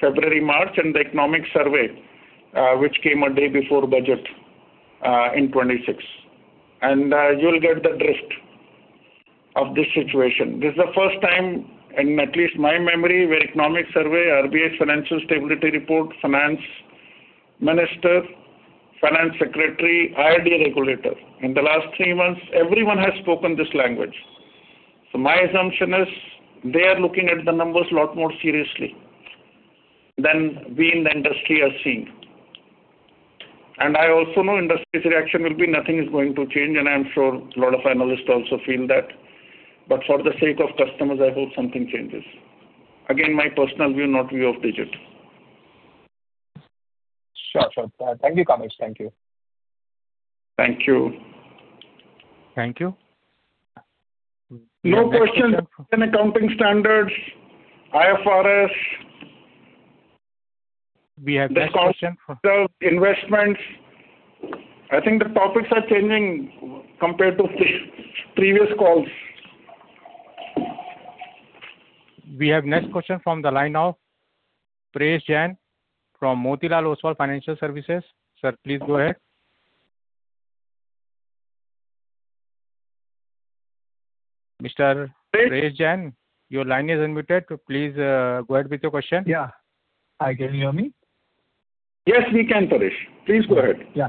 February, March, and the economic survey, which came a day before budget, in 2026. You'll get the drift of this situation. This is the first time in at least my memory where economic survey, RBI financial stability report, finance minister, finance secretary, IRDA regulator. In the last three months, everyone has spoken this language. My assumption is they are looking at the numbers a lot more seriously than we in the industry are seeing. I also know industry's reaction will be nothing is going to change, and I am sure a lot of analysts also feel that. For the sake of customers, I hope something changes. Again, my personal view, not view of Digit. Sure, sure. Thank you, Kamesh. Thank you. Thank you. Thank you. No questions in accounting standards, IFRS. We have next question from. investments. I think the topics are changing compared to pre-previous calls. We have next question from the line of Prayesh Jain from Motilal Oswal Financial Services. Sir, please go ahead. Mr. Prayesh Jain, your line is invited. Please go ahead with your question. Yeah. Hi, can you hear me? Yes, we can, Prayesh. Please go ahead. Yeah.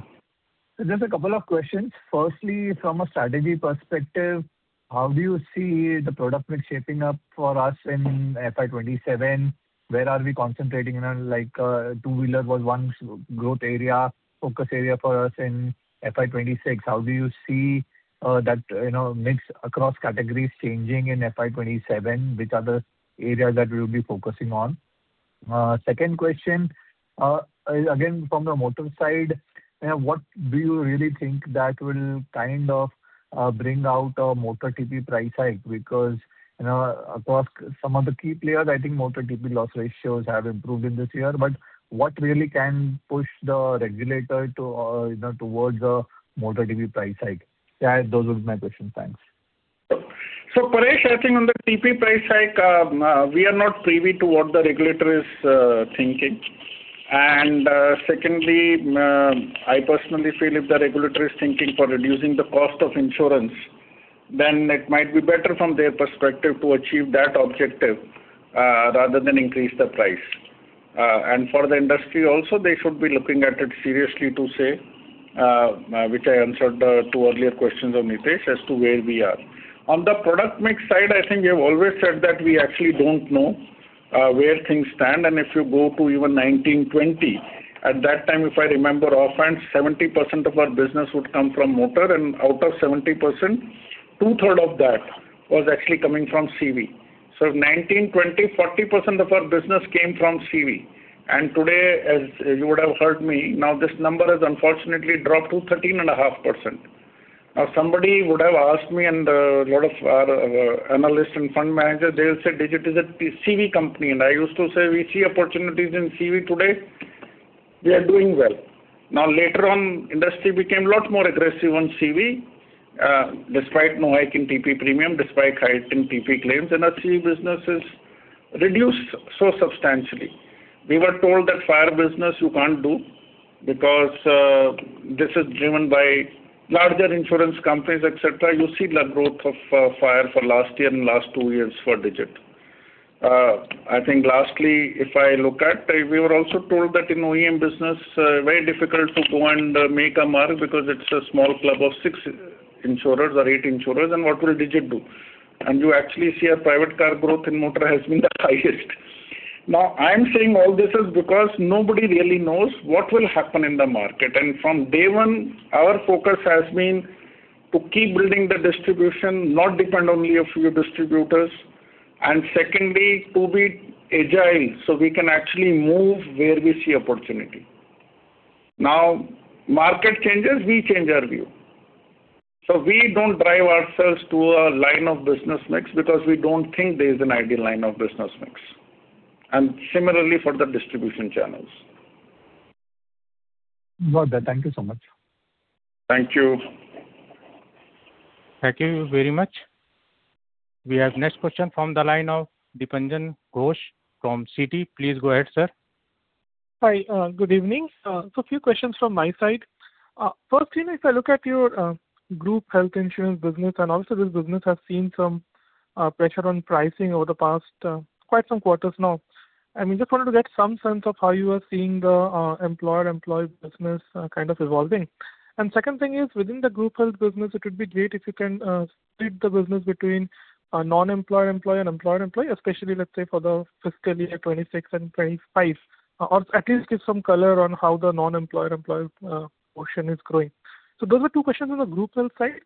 Just a couple of questions. Firstly, from a strategy perspective, how do you see the product mix shaping up for us in FY 2027? Where are we concentrating on-- Like, two-wheeler was one growth area, focus area for us in FY 2026. How do you see, that, you know, mix across categories changing in FY 2027? Which are the areas that we'll be focusing on? Second question, again, from the motor side, what do you really think that will kind of, bring out a motor TP price hike? Because, you know, across some of the key players, I think motor TP loss ratios have improved in this year. What really can push the regulator to, you know, towards a motor TP price hike? Yeah, those were my questions. Thanks. Prayesh, I think on the TP price hike, we are not privy to what the regulator is thinking. Secondly, I personally feel if the regulator is thinking for reducing the cost of insurance, then it might be better from their perspective to achieve that objective rather than increase the price. And for the industry also, they should be looking at it seriously to say, which I answered two earlier questions on it as to where we are. On the product mix side, I think we have always said that we actually don't know where things stand. If you go to even 1920, at that time, if I remember offhand, 70% of our business would come from motor, and out of 70%, 2/3 of that was actually coming from CV. 2019-2020, 40% of our business came from CV. Today, as you would have heard me, this number has unfortunately dropped to 13.5%. Somebody would have asked me, a lot of our analysts and fund managers, they'll say Digit is a PCV company. I used to say we see opportunities in CV today. We are doing well. Later on, industry became a lot more aggressive on CV despite no hike in TP premium, despite hike in TP claims, our CV business is reduced so substantially. We were told that fire business you can't do because this is driven by larger insurance companies, et cetera. You see the growth of fire for last year and last two years for Digit. I think lastly, if I look at, we were also told that in OEM business, very difficult to go and make a mark because it's a small club of six insurers or eight insurers. What will Digit do? You actually see our private car growth in motor has been the highest. Now, I am saying all this is because nobody really knows what will happen in the market. From day one, our focus has been to keep building the distribution, not depend only a few distributors. Secondly, to be agile, so we can actually move where we see opportunity. Now, market changes, we change our view. We don't drive ourselves to a line of business mix because we don't think there is an ideal line of business mix. Similarly for the distribution channels. Got that. Thank you so much. Thank you. Thank you very much. We have next question from the line of Dipanjan Ghosh from Citi. Please go ahead, sir. Hi. Good evening. A few questions from my side. Firstly, if I look at your group health insurance business and also this business has seen some pressure on pricing over the past quite some quarters now. I mean, just wanted to get some sense of how you are seeing the employer-employee business kind of evolving. Second thing is, within the group health business, it would be great if you can split the business between non-employer employee and employer employee, especially, let's say, for the fiscal year 2026 and 2025. Or at least give some color on how the non-employer employee portion is growing. Those are two questions on the group health side.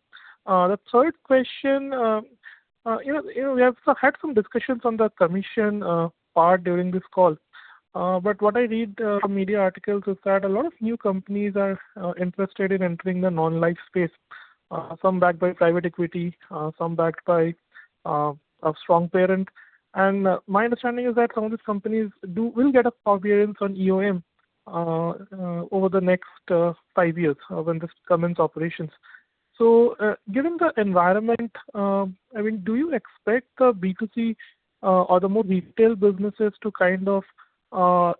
The third question, you know, we have had some discussions on the commission part during this call. What I read, media articles is that a lot of new companies are interested in entering the non-life space, some backed by private equity, some backed by a strong parent. My understanding is that some of these companies will get a preference on EOM over the next five years when this comes operations. Given the environment, I mean, do you expect the B2C or the more retail businesses to kind of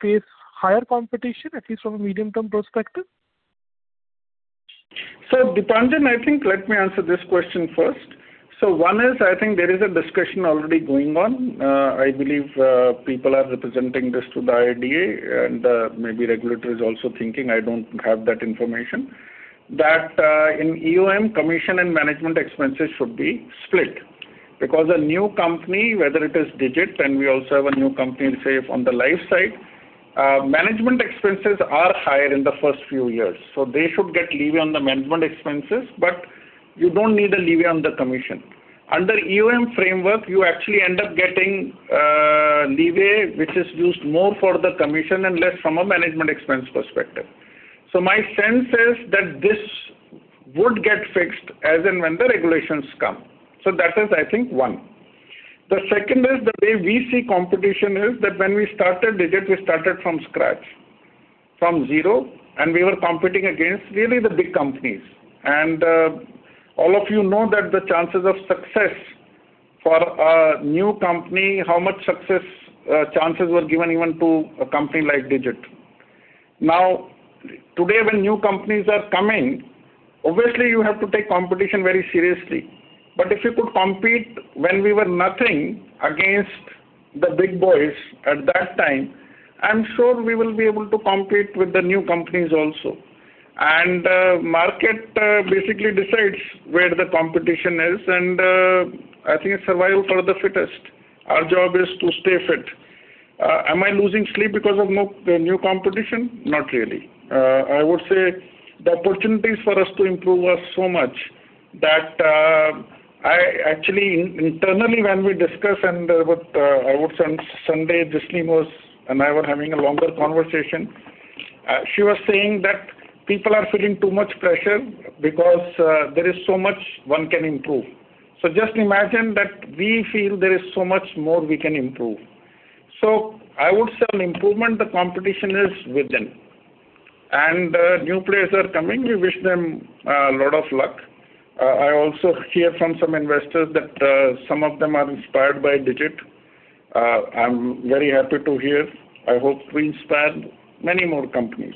face higher competition, at least from a medium-term perspective? Dipanjan, I think let me answer this question first. One is, I think there is a discussion already going on. I believe people are representing this to the IRDAI, and maybe regulator is also thinking, I don't have that information, that in EOM, commission and management expenses should be split. Because a new company, whether it is Digit, and we also have a new company, say, on the life side, management expenses are higher in the first few years, so they should get levy on the management expenses, but you don't need a levy on the commission. Under EOM framework, you actually end up getting levy, which is used more for the commission and less from a management expense perspective. My sense is that this would get fixed as and when the regulations come. That is, I think, one. The second is the way we see competition is that when we started Digit, we started from scratch, from zero, and we were competing against really the big companies. All of you know that the chances of success for a new company, how much success, chances were given even to a company like Digit? Today, when new companies are coming, obviously you have to take competition very seriously. If you could compete when we were nothing against the big boys at that time, I'm sure we will be able to compete with the new companies also. Market, basically decides where the competition is, I think it's survival for the fittest. Our job is to stay fit. Am I losing sleep because of the new competition? Not really. I would say the opportunities for us to improve are so much that, internally when we discuss and with, I would say on Sunday, Jasleen and I were having a longer conversation. She was saying that people are feeling too much pressure because there is so much one can improve. Just imagine that we feel there is so much more we can improve. I would say on improvement, the competition is within. New players are coming. We wish them a lot of luck. I also hear from some investors that some of them are inspired by Digit. I'm very happy to hear. I hope we inspire many more companies.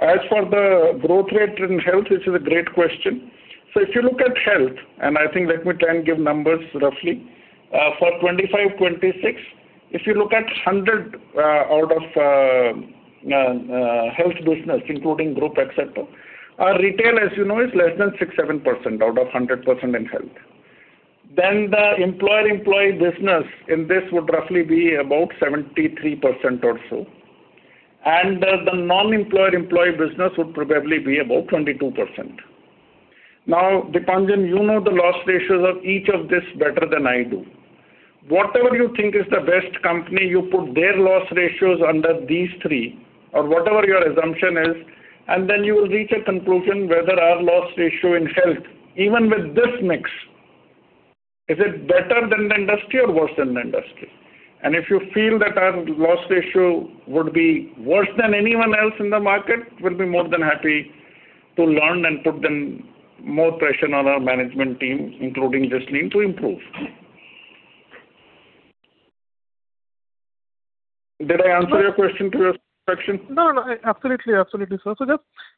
As for the growth rate in health, this is a great question. If you look at health, let me try and give numbers roughly. For 2025, 2026, if you look at 100 out of health business, including group, et cetera, our retail, as you know, is less than 6%, 7% out of 100% in health. The employer-employee business in this would roughly be about 73% or so. The non-employer employee business would probably be about 22%. Dipanjan, you know the loss ratios of each of this better than I do. Whatever you think is the best company, you put their loss ratios under these three or whatever your assumption is, you will reach a conclusion whether our loss ratio in health, even with this mix, is it better than the industry or worse than the industry. If you feel that our loss ratio would be worse than anyone else in the market, we'll be more than happy to learn and put then more pressure on our management team, including Jasleen, to improve. Did I answer your question to your satisfaction? No, no, absolutely, sir. Just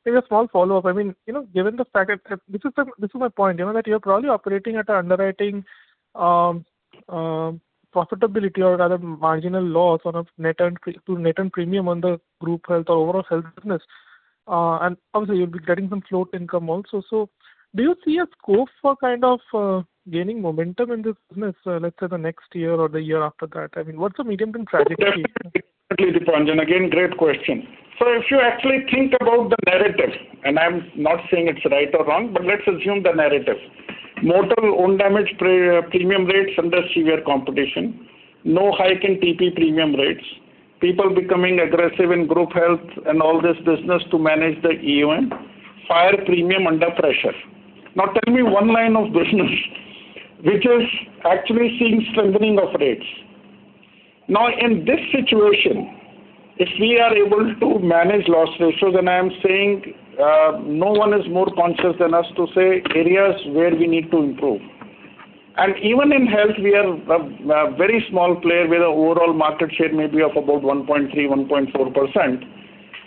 maybe a small follow-up. I mean, you know, given the fact that this is my point, you know, that you're probably operating at underwriting profitability or rather marginal loss on a net earn premium to net earn premium on the group health or overall health business. Obviously, you'll be getting some float income also. Do you see a scope for kind of gaining momentum in this business, let's say the next year or the year after that? I mean, what's the medium-term strategy here? Definitely, Dipanjan. Again, great question. If you actually think about the narrative, and I'm not saying it's right or wrong, but let's assume the narrative. Motor own damage pre premium rates under severe competition, no hike in TP premium rates, people becoming aggressive in group health and all this business to manage the EOM, fire premium under pressure. Tell me one line of business which is actually seeing strengthening of rates. In this situation, if we are able to manage loss ratios, and I am saying no one is more conscious than us to say areas where we need to improve. Even in health, we are a very small player where the overall market share may be of about 1.3%, 1.4%.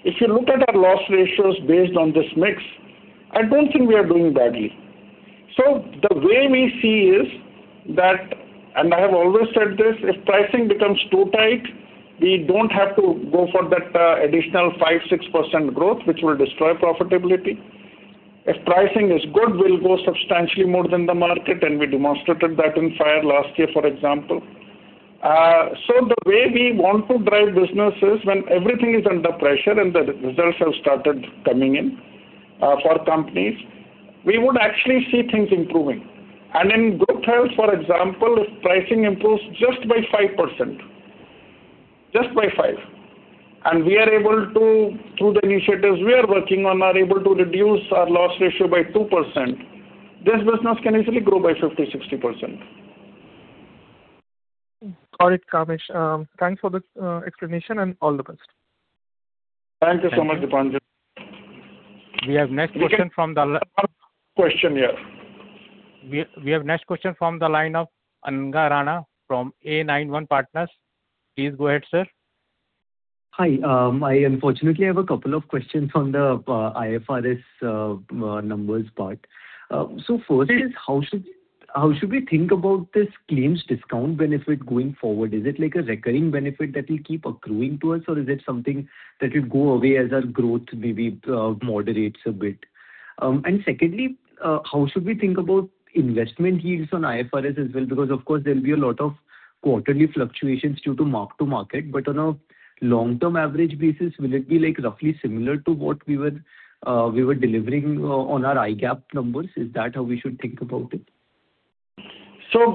If you look at our loss ratios based on this mix, I don't think we are doing badly. The way we see is that, and I have always said this, if pricing becomes too tight, we don't have to go for that additional 5%, 6% growth, which will destroy profitability. If pricing is good, we'll go substantially more than the market, and we demonstrated that in fire last year, for example. The way we want to drive business is when everything is under pressure and the results have started coming in for companies, we would actually see things improving. In group health, for example, if pricing improves just by 5%, just by 5%, and we are able to-- through the initiatives we are working on, are able to reduce our loss ratio by 2%, this business can easily grow by 50%, 60%. Got it, Kamesh. Thanks for this explanation, and all the best. Thank you so much, Dipanjan. We have next question from. Question, yeah. We have next question from the line of Ananga Rana from A91 Partners. Please go ahead, sir. Hi. I unfortunately have a couple of questions on the IFRS numbers part. First is how should we think about this claims discount benefit going forward? Is it like a recurring benefit that will keep accruing to us, or is it something that will go away as our growth maybe moderates a bit? Secondly, how should we think about investment yields on IFRS as well? Of course there'll be a lot of quarterly fluctuations due to mark-to-market. On a long-term average basis, will it be like roughly similar to what we were delivering on our IGAAP numbers? Is that how we should think about it?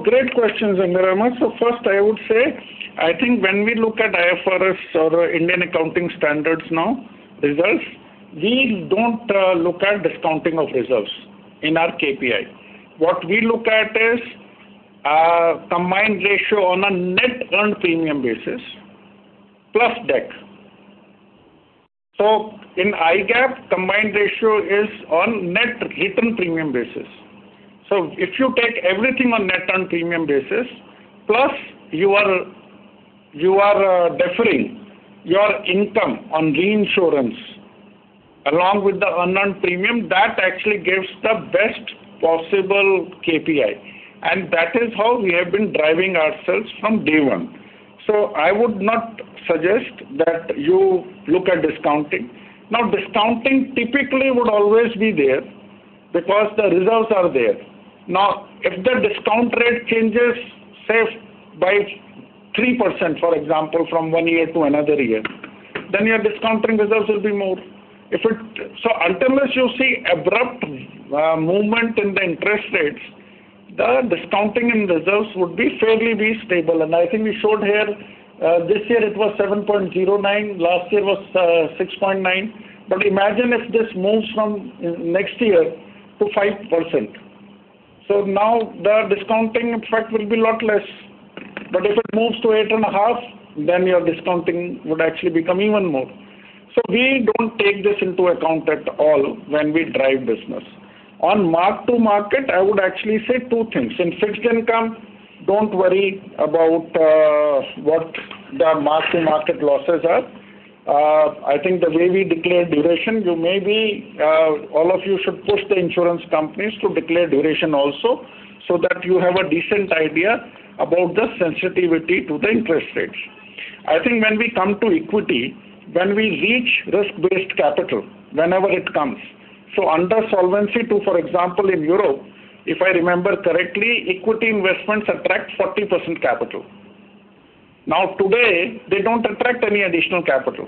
Great questions, Ananga Rana. First I would say, I think when we look at IFRS or Indian accounting standards now results, we don't look at discounting of results in our KPI. What we look at is combined ratio on a net earned premium basis plus debt. In IGAAP, combined ratio is on net written premium basis. If you take everything on net earned premium basis, plus you are deferring your income on reinsurance along with the unearned premium, that actually gives the best possible KPI. That is how we have been driving ourselves from day one. I would not suggest that you look at discounting. Now, discounting typically would always be there because the results are there. Now, if the discount rate changes, say by 3%, for example, from one year to another year, then your discounting results will be more. Unless you see abrupt movement in the interest rates, the discounting in results would be fairly stable. I think we showed here, this year it was 7.09, last year was, 6.9. But imagine if this moves from next year to 5%. Now the discounting effect will be a lot less. But if it moves to 8.5, then your discounting would actually become even more. We don't take this into account at all when we drive business. On mark-to-market, I would actually say two things. In fixed income, don't worry about, what the mark-to-market losses are. I think the way we declare duration, you may be, all of you should push the insurance companies to declare duration also, so that you have a decent idea about the sensitivity to the interest rates. I think when we come to equity, when we reach risk-based capital, whenever it comes. Under Solvency II, for example, in Europe, if I remember correctly, equity investments attract 40% capital. Now, today, they don't attract any additional capital.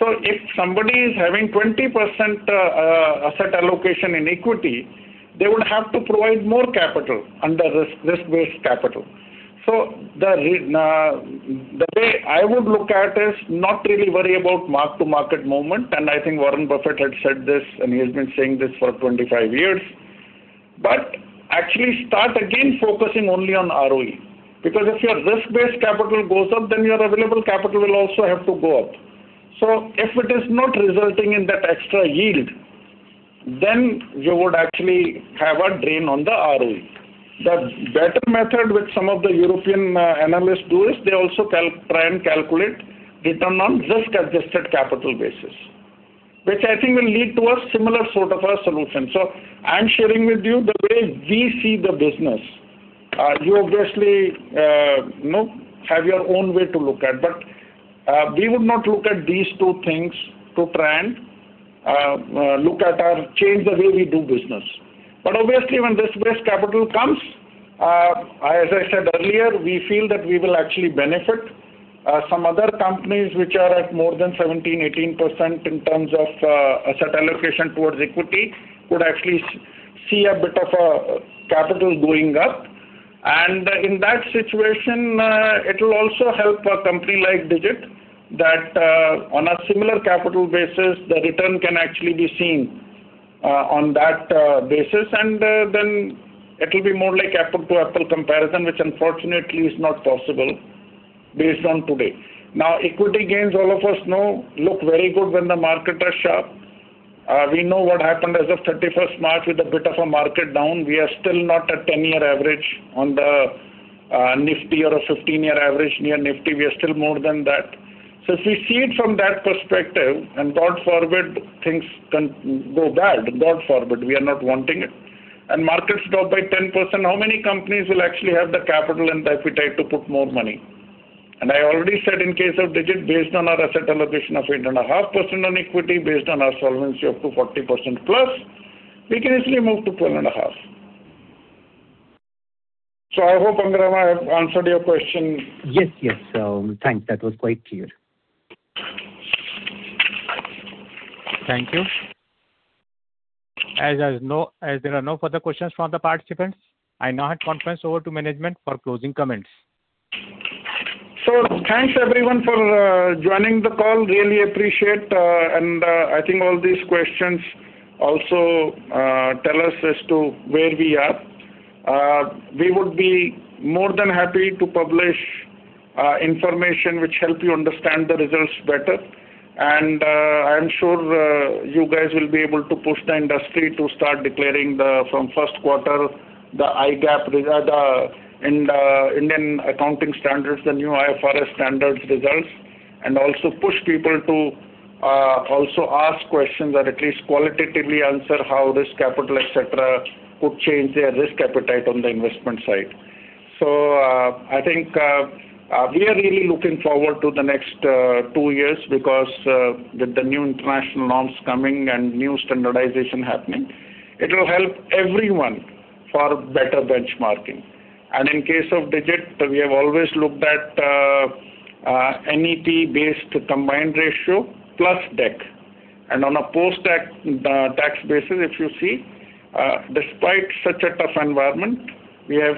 If somebody is having 20% asset allocation in equity, they would have to provide more capital under this risk-based capital. The way I would look at is not really worry about mark-to-market movement, and I think Warren Buffett had said this, and he has been saying this for 25 years. Actually start again focusing only on ROE, because if your risk-based capital goes up, your available capital will also have to go up. If it is not resulting in that extra yield, you would actually have a drain on the ROE. The better method which some of the European analysts do is they also try and calculate return on risk-adjusted capital basis, which I think will lead to a similar sort of a solution. I'm sharing with you the way we see the business. You obviously, you know, have your own way to look at, but we would not look at these two things to try and look at or change the way we do business. Obviously, when risk-based capital comes, as I said earlier, we feel that we will actually benefit. Some other companies which are at more than 17%, 18% in terms of asset allocation towards equity would actually see a bit of capital going up. In that situation, it will also help a company like Digit that on a similar capital basis, the return can actually be seen on that basis. Then it will be more like apple-to-apple comparison, which unfortunately is not possible based on today. Now, equity gains, all of us know, look very good when the markets are sharp. We know what happened as of 31st March with a bit of a market down. We are still not at 10-year average on the Nifty or a 15-year average near Nifty. We are still more than that. If we see it from that perspective, and God forbid, things can go bad. God forbid, we are not wanting it. Markets drop by 10%, how many companies will actually have the capital and the appetite to put more money? I already said in case of Digit, based on our asset allocation of 8.5% on equity, based on our solvency of to 40%+, we can easily move to 12.5%. I hope, Ananga Rana, I have answered your question. Yes. Thanks. That was quite clear. Thank you. There are no further questions from the participants, I now hand conference over to management for closing comments. Thanks everyone for joining the call. Really appreciate, and I think all these questions also tell us as to where we are. We would be more than happy to publish information which help you understand the results better. I am sure you guys will be able to push the industry to start declaring from first quarter the IGAAP results, the Indian accounting standards, the new IFRS standards results, and also push people to also ask questions that at least qualitatively answer how this capital, et cetera, could change their risk appetite on the investment side. I think we are really looking forward to the next two years because with the new international norms coming and new standardization happening, it will help everyone for better benchmarking. In case of Digit, we have always looked at NEP-based combined ratio plus DAC. On a post-tax basis, if you see, despite such a tough environment, we have,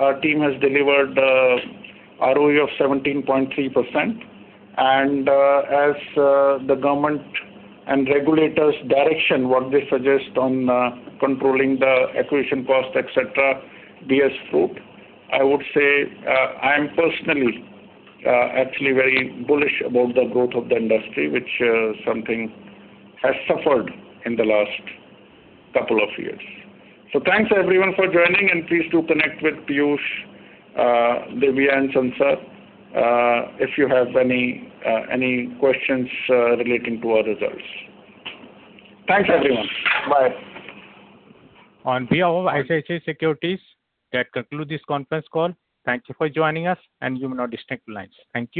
our team has delivered ROE of 17.3%. As the government and regulators' direction, what they suggest on controlling the acquisition cost, et cetera, bears fruit. I would say, I am personally actually very bullish about the growth of the industry, which something has suffered in the last couple of years. Thanks everyone for joining, and please do connect with Piyush, Divya, and Sansar, if you have any questions relating to our results. Thanks, everyone. Bye. On behalf of ICICI Securities, that concludes this conference call. Thank you for joining us, and you may now disconnect your lines. Thank you.